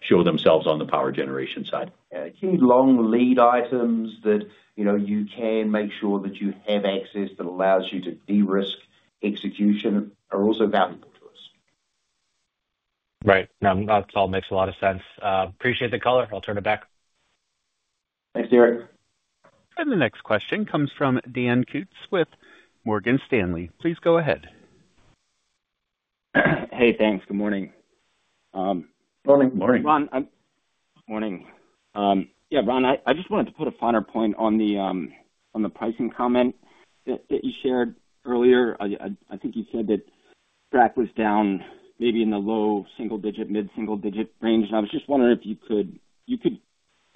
show themselves on the power generation side. Yeah, key long lead items that, you know, you can make sure that you have access, that allows you to de-risk execution are also valuable to us. Right. No, that all makes a lot of sense. Appreciate the color. I'll turn it back. Thanks, Derek. The next question comes from Dan Kutz with Morgan Stanley. Please go ahead. Hey, thanks. Good morning. Morning. Morning. Ron, morning. Yeah, Ron, I just wanted to put a finer point on the pricing comment that you shared earlier. I think you said that frac was down maybe in the low single digit, mid-single digit range, and I was just wondering if you could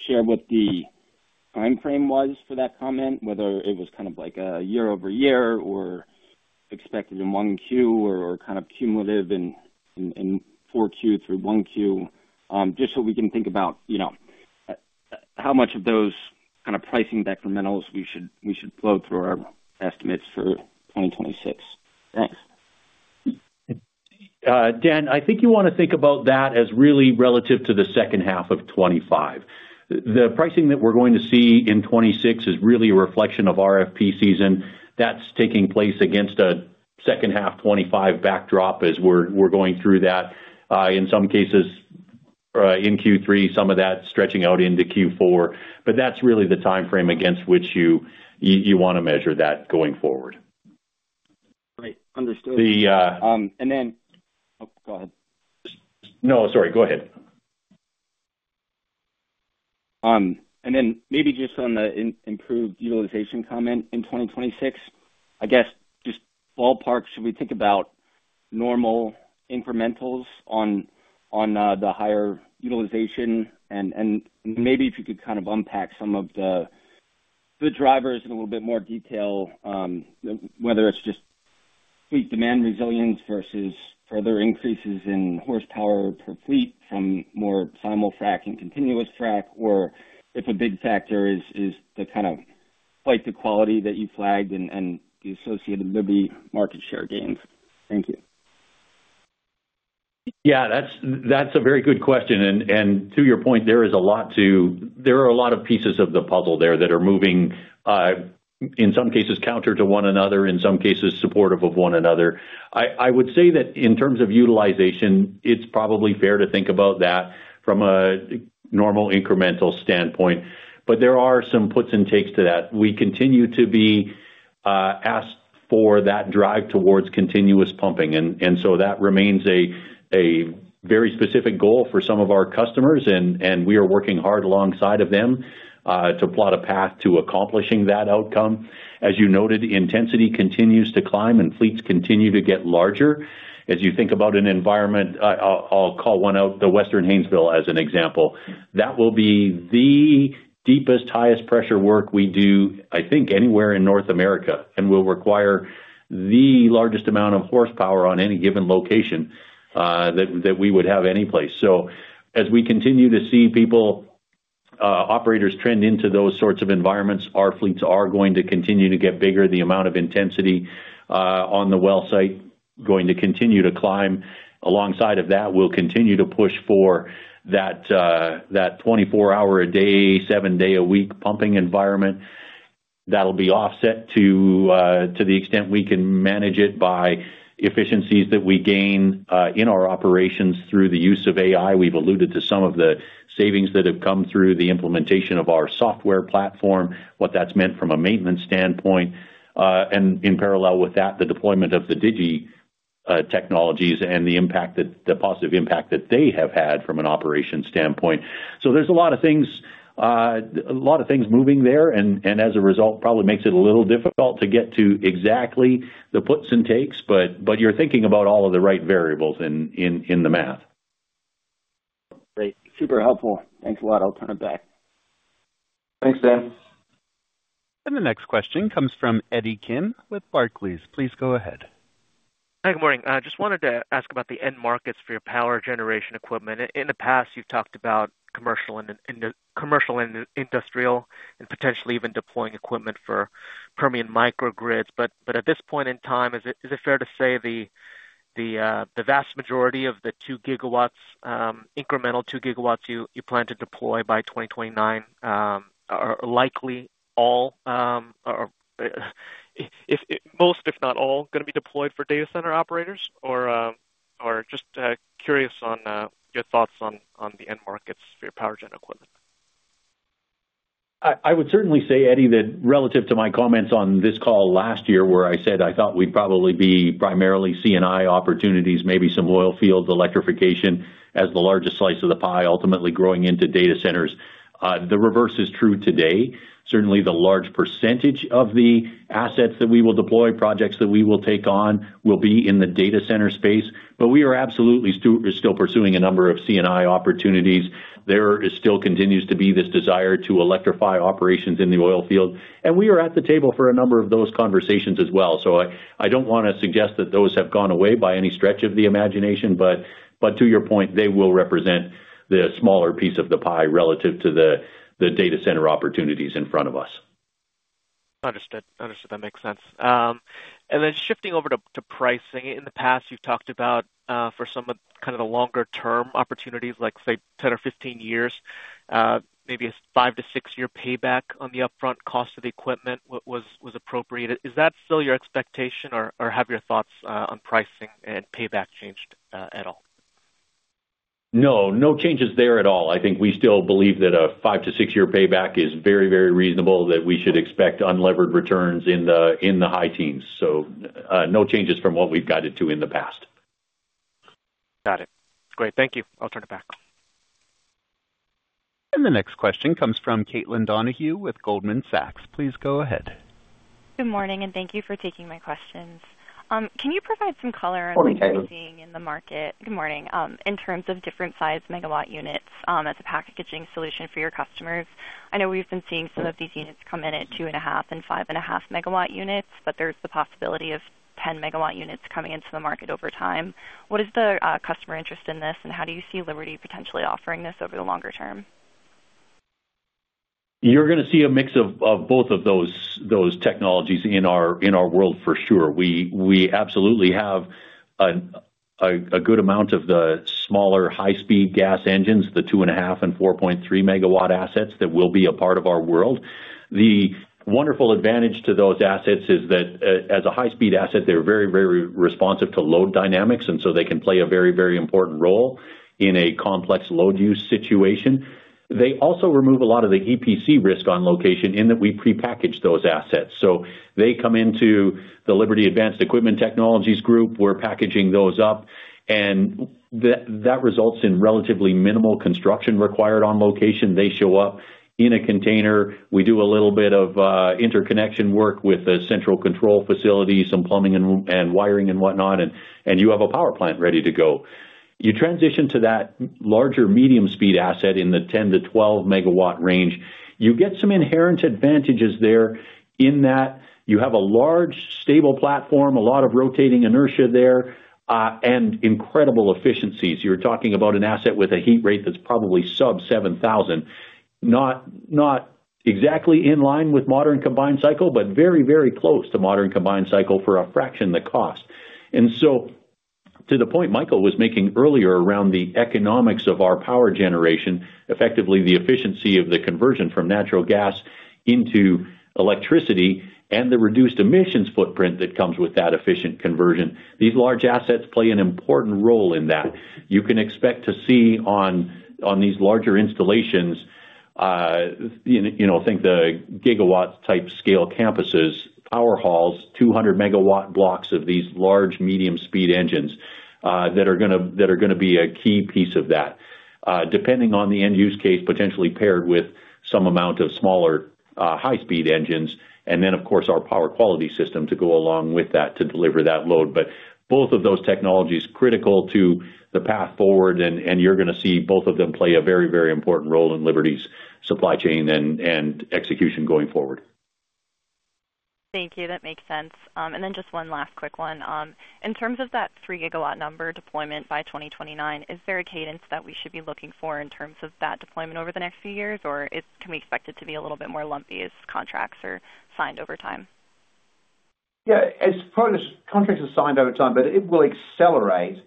share what the timeframe was for that comment, whether it was kind of like a year-over-year or expected in Q1 or kind of cumulative in Q4 through Q1, just so we can think about, you know, how much of those kind of pricing decrementals we should flow through our estimates for 2026. Thanks. Dan, I think you wanna think about that as really relative to the second half of 2025. The pricing that we're going to see in 2026 is really a reflection of RFP season. That's taking place against a second half 2025 backdrop as we're going through that. In some cases, in Q3, some of that stretching out into Q4, but that's really the timeframe against which you wanna measure that going forward. Right. Understood. The, uh- And then... Oh, go ahead. No, sorry, go ahead. And then maybe just on the improved utilization comment in 2026, I guess just ballpark, should we think about normal incrementals on, on, the higher utilization? And, and maybe if you could kind of unpack some of the, the drivers in a little bit more detail, whether it's just fleet demand resilience versus further increases in horsepower per fleet from more Simul-Frac and continuous frac, or if a big factor is, is the kind of quite the quality that you flagged and, and the associated maybe market share gains. Thank you. Yeah, that's, that's a very good question, and, and to your point, there is a lot to, there are a lot of pieces of the puzzle there that are moving, in some cases, counter to one another, in some cases, supportive of one another. I, I would say that in terms of utilization, it's probably fair to think about that from a normal incremental standpoint, but there are some puts and takes to that. We continue to be asked for that drive towards continuous pumping, and, and so that remains a, a very specific goal for some of our customers, and, and we are working hard alongside of them, to plot a path to accomplishing that outcome. As you noted, intensity continues to climb and fleets continue to get larger. As you think about an environment, I'll call one out, the Western Haynesville, as an example. That will be the deepest, highest pressure work we do, I think, anywhere in North America, and will require the largest amount of horsepower on any given location, that we would have any place. So as we continue to see people, operators trend into those sorts of environments, our fleets are going to continue to get bigger. The amount of intensity, on the well site, going to continue to climb. Alongside of that, we'll continue to push for that, 24-hour a day, 7-day a week pumping environment. That'll be offset to, to the extent we can manage it by efficiencies that we gain, in our operations through the use of AI. We've alluded to some of the savings that have come through the implementation of our software platform, what that's meant from a maintenance standpoint, and in parallel with that, the deployment of the digiTechnologies and the impact that the positive impact that they have had from an operations standpoint. So there's a lot of things, a lot of things moving there, and as a result, probably makes it a little difficult to get to exactly the puts and takes, but you're thinking about all of the right variables in the math. Great. Super helpful. Thanks a lot. I'll turn it back. Thanks, Dan. And the next question comes from Eddie Kim with Barclays. Please go ahead. Hi, good morning. I just wanted to ask about the end markets for your power generation equipment. In the past, you've talked about commercial and industrial, and potentially even deploying equipment for Permian microgrids. But at this point in time, is it fair to say the vast majority of the 2 GW, incremental 2 GW you plan to deploy by 2029, are likely all, or if most, if not all, going to be deployed for data center operators? Or just curious on your thoughts on the end markets for your power gen equipment. I would certainly say, Eddie, that relative to my comments on this call last year, where I said I thought we'd probably be primarily CNI opportunities, maybe some oil field electrification as the largest slice of the pie, ultimately growing into data centers. The reverse is true today. Certainly, the large percentage of the assets that we will deploy, projects that we will take on, will be in the data center space. But we are absolutely still pursuing a number of CNI opportunities. There is still continues to be this desire to electrify operations in the oil field, and we are at the table for a number of those conversations as well. I don't want to suggest that those have gone away by any stretch of the imagination, but to your point, they will represent the smaller piece of the pie relative to the data center opportunities in front of us. Understood. Understood. That makes sense. Then shifting over to pricing. In the past, you've talked about for some of the kind of the longer-term opportunities, like, say, 10 or 15 years, maybe a 5-6-year payback on the upfront cost of the equipment was appropriate. Is that still your expectation, or have your thoughts on pricing and payback changed at all? No, no changes there at all. I think we still believe that a 5-6-year payback is very, very reasonable, that we should expect unlevered returns in the high teens. So, no changes from what we've guided to in the past. Got it. Great. Thank you. I'll turn it back. The next question comes from Caitlin Donohue with Goldman Sachs. Please go ahead. Good morning, and thank you for taking my questions. Can you provide some color on- Good morning. -what you're seeing in the market? Good morning. In terms of different size MW units, as a packaging solution for your customers. I know we've been seeing some of these units come in at 2.5 MW and 5.5 MW units, but there's the possibility of 10 MW units coming into the market over time. What is the customer interest in this, and how do you see Liberty potentially offering this over the longer term? You're gonna see a mix of both of those technologies in our world for sure. We absolutely have a good amount of the smaller, high-speed gas engines, the 2.5 MW and 4.3 MW assets that will be a part of our world. The wonderful advantage to those assets is that as a high-speed asset, they're very, very responsive to load dynamics, and so they can play a very, very important role in a complex load use situation. They also remove a lot of the EPC risk on location in that we prepackage those assets. So they come into the Liberty Advanced Equipment Technologies group. We're packaging those up, and that results in relatively minimal construction required on location. They show up in a container. We do a little bit of interconnection work with the central control facility, some plumbing and wiring and whatnot, and you have a power plant ready to go. You transition to that larger medium-speed asset in the 10-12 MW range. You get some inherent advantages there in that you have a large, stable platform, a lot of rotating inertia there, and incredible efficiencies. You're talking about an asset with a heat rate that's probably sub 7,000. Not exactly in line with modern combined cycle, but very, very close to modern combined cycle for a fraction of the cost. To the point Michael was making earlier around the economics of our power generation, effectively the efficiency of the conversion from natural gas into electricity and the reduced emissions footprint that comes with that efficient conversion, these large assets play an important role in that. You can expect to see on these larger installations, you know, think the GW-type scale campuses, power halls, 200 MW blocks of these large, medium-speed engines, that are gonna be a key piece of that. Depending on the end-use case, potentially paired with some amount of smaller, high-speed engines, and then, of course, our power quality system to go along with that to deliver that load. But both of those technologies, critical to the path forward, and you're gonna see both of them play a very, very important role in Liberty's supply chain and execution going forward. Thank you. That makes sense. And then just one last quick one. In terms of that 3-GW number deployment by 2029, is there a cadence that we should be looking for in terms of that deployment over the next few years? Or can we expect it to be a little bit more lumpy as contracts are signed over time? Yeah, as part of the contracts are signed over time, but it will accelerate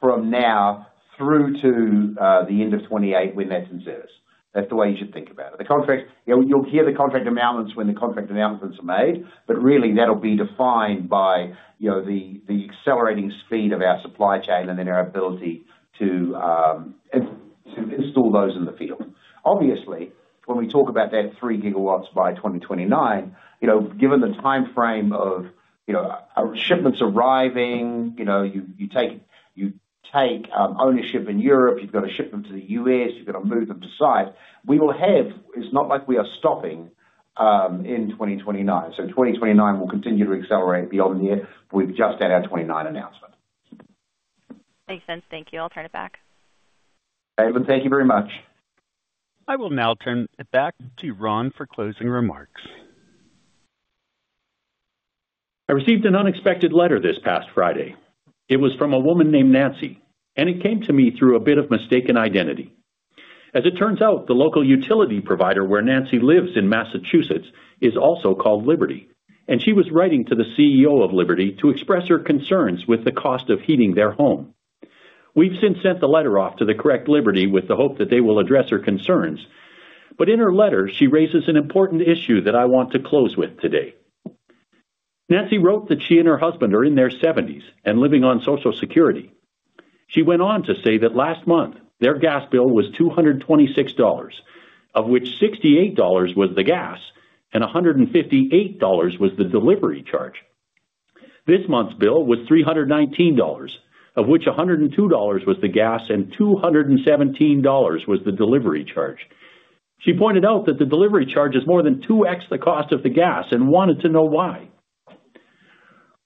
from now through to the end of 2028, when that's in service. That's the way you should think about it. The contract... You know, you'll hear the contract announcements when the contract announcements are made, but really, that'll be defined by, you know, the accelerating speed of our supply chain and then our ability to install those in the field. Obviously, when we talk about that 3 GW by 2029, you know, given the timeframe of, you know, our shipments arriving, you know, you take ownership in Europe, you've got to ship them to the U.S., you've got to move them to site. We will have... It's not like we are stopping in 2029. So 2029 will continue to accelerate beyond the year. We've just had our 29 announcement. Makes sense. Thank you. I'll turn it back. Caitlin, thank you very much. I will now turn it back to Ron for closing remarks. I received an unexpected letter this past Friday. It was from a woman named Nancy, and it came to me through a bit of mistaken identity. As it turns out, the local utility provider where Nancy lives in Massachusetts is also called Liberty, and she was writing to the CEO of Liberty to express her concerns with the cost of heating their home. We've since sent the letter off to the correct Liberty with the hope that they will address her concerns. But in her letter, she raises an important issue that I want to close with today. Nancy wrote that she and her husband are in their seventies and living on Social Security. She went on to say that last month, their gas bill was $226, of which $68 was the gas and $158 was the delivery charge. This month's bill was $319, of which $102 was the gas and $217 was the delivery charge. She pointed out that the delivery charge is more than 2x the cost of the gas and wanted to know why.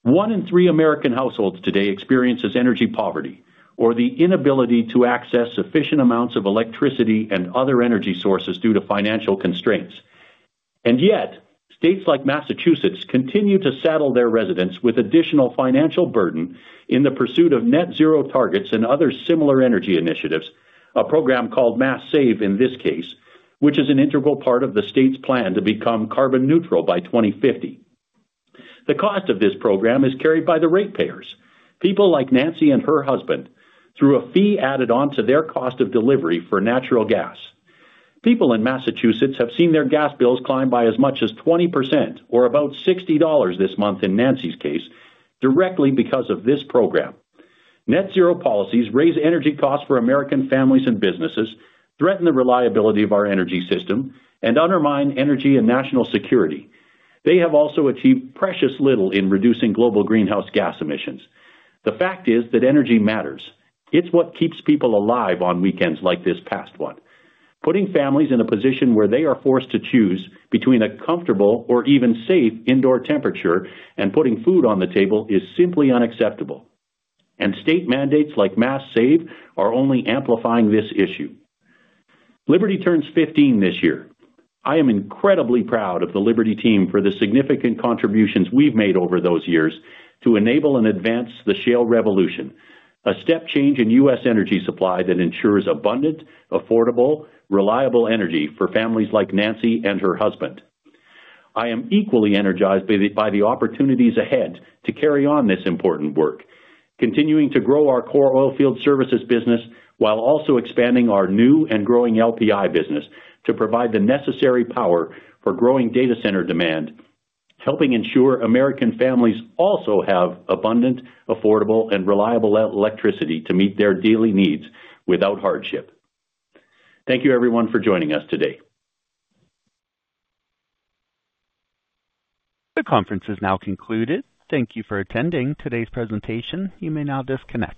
One in 3 American households today experiences energy poverty or the inability to access sufficient amounts of electricity and other energy sources due to financial constraints. And yet, states like Massachusetts continue to saddle their residents with additional financial burden in the pursuit of net zero targets and other similar energy initiatives, a program called Mass Save, in this case, which is an integral part of the state's plan to become carbon neutral by 2050. The cost of this program is carried by the ratepayers, people like Nancy and her husband, through a fee added on to their cost of delivery for natural gas. People in Massachusetts have seen their gas bills climb by as much as 20%, or about $60 this month in Nancy's case, directly because of this program. Net zero policies raise energy costs for American families and businesses, threaten the reliability of our energy system, and undermine energy and national security. They have also achieved precious little in reducing global greenhouse gas emissions. The fact is that energy matters. It's what keeps people alive on weekends like this past one. Putting families in a position where they are forced to choose between a comfortable or even safe indoor temperature and putting food on the table is simply unacceptable, and state mandates like Mass Save are only amplifying this issue. Liberty turns 15 this year. I am incredibly proud of the Liberty team for the significant contributions we've made over those years to enable and advance the shale revolution, a step change in U.S. energy supply that ensures abundant, affordable, reliable energy for families like Nancy and her husband. I am equally energized by the opportunities ahead to carry on this important work, continuing to grow our core oilfield services business, while also expanding our new and growing LPI business to provide the necessary power for growing data center demand, helping ensure American families also have abundant, affordable, and reliable electricity to meet their daily needs without hardship. Thank you, everyone, for joining us today. The conference is now concluded. Thank you for attending today's presentation. You may now disconnect.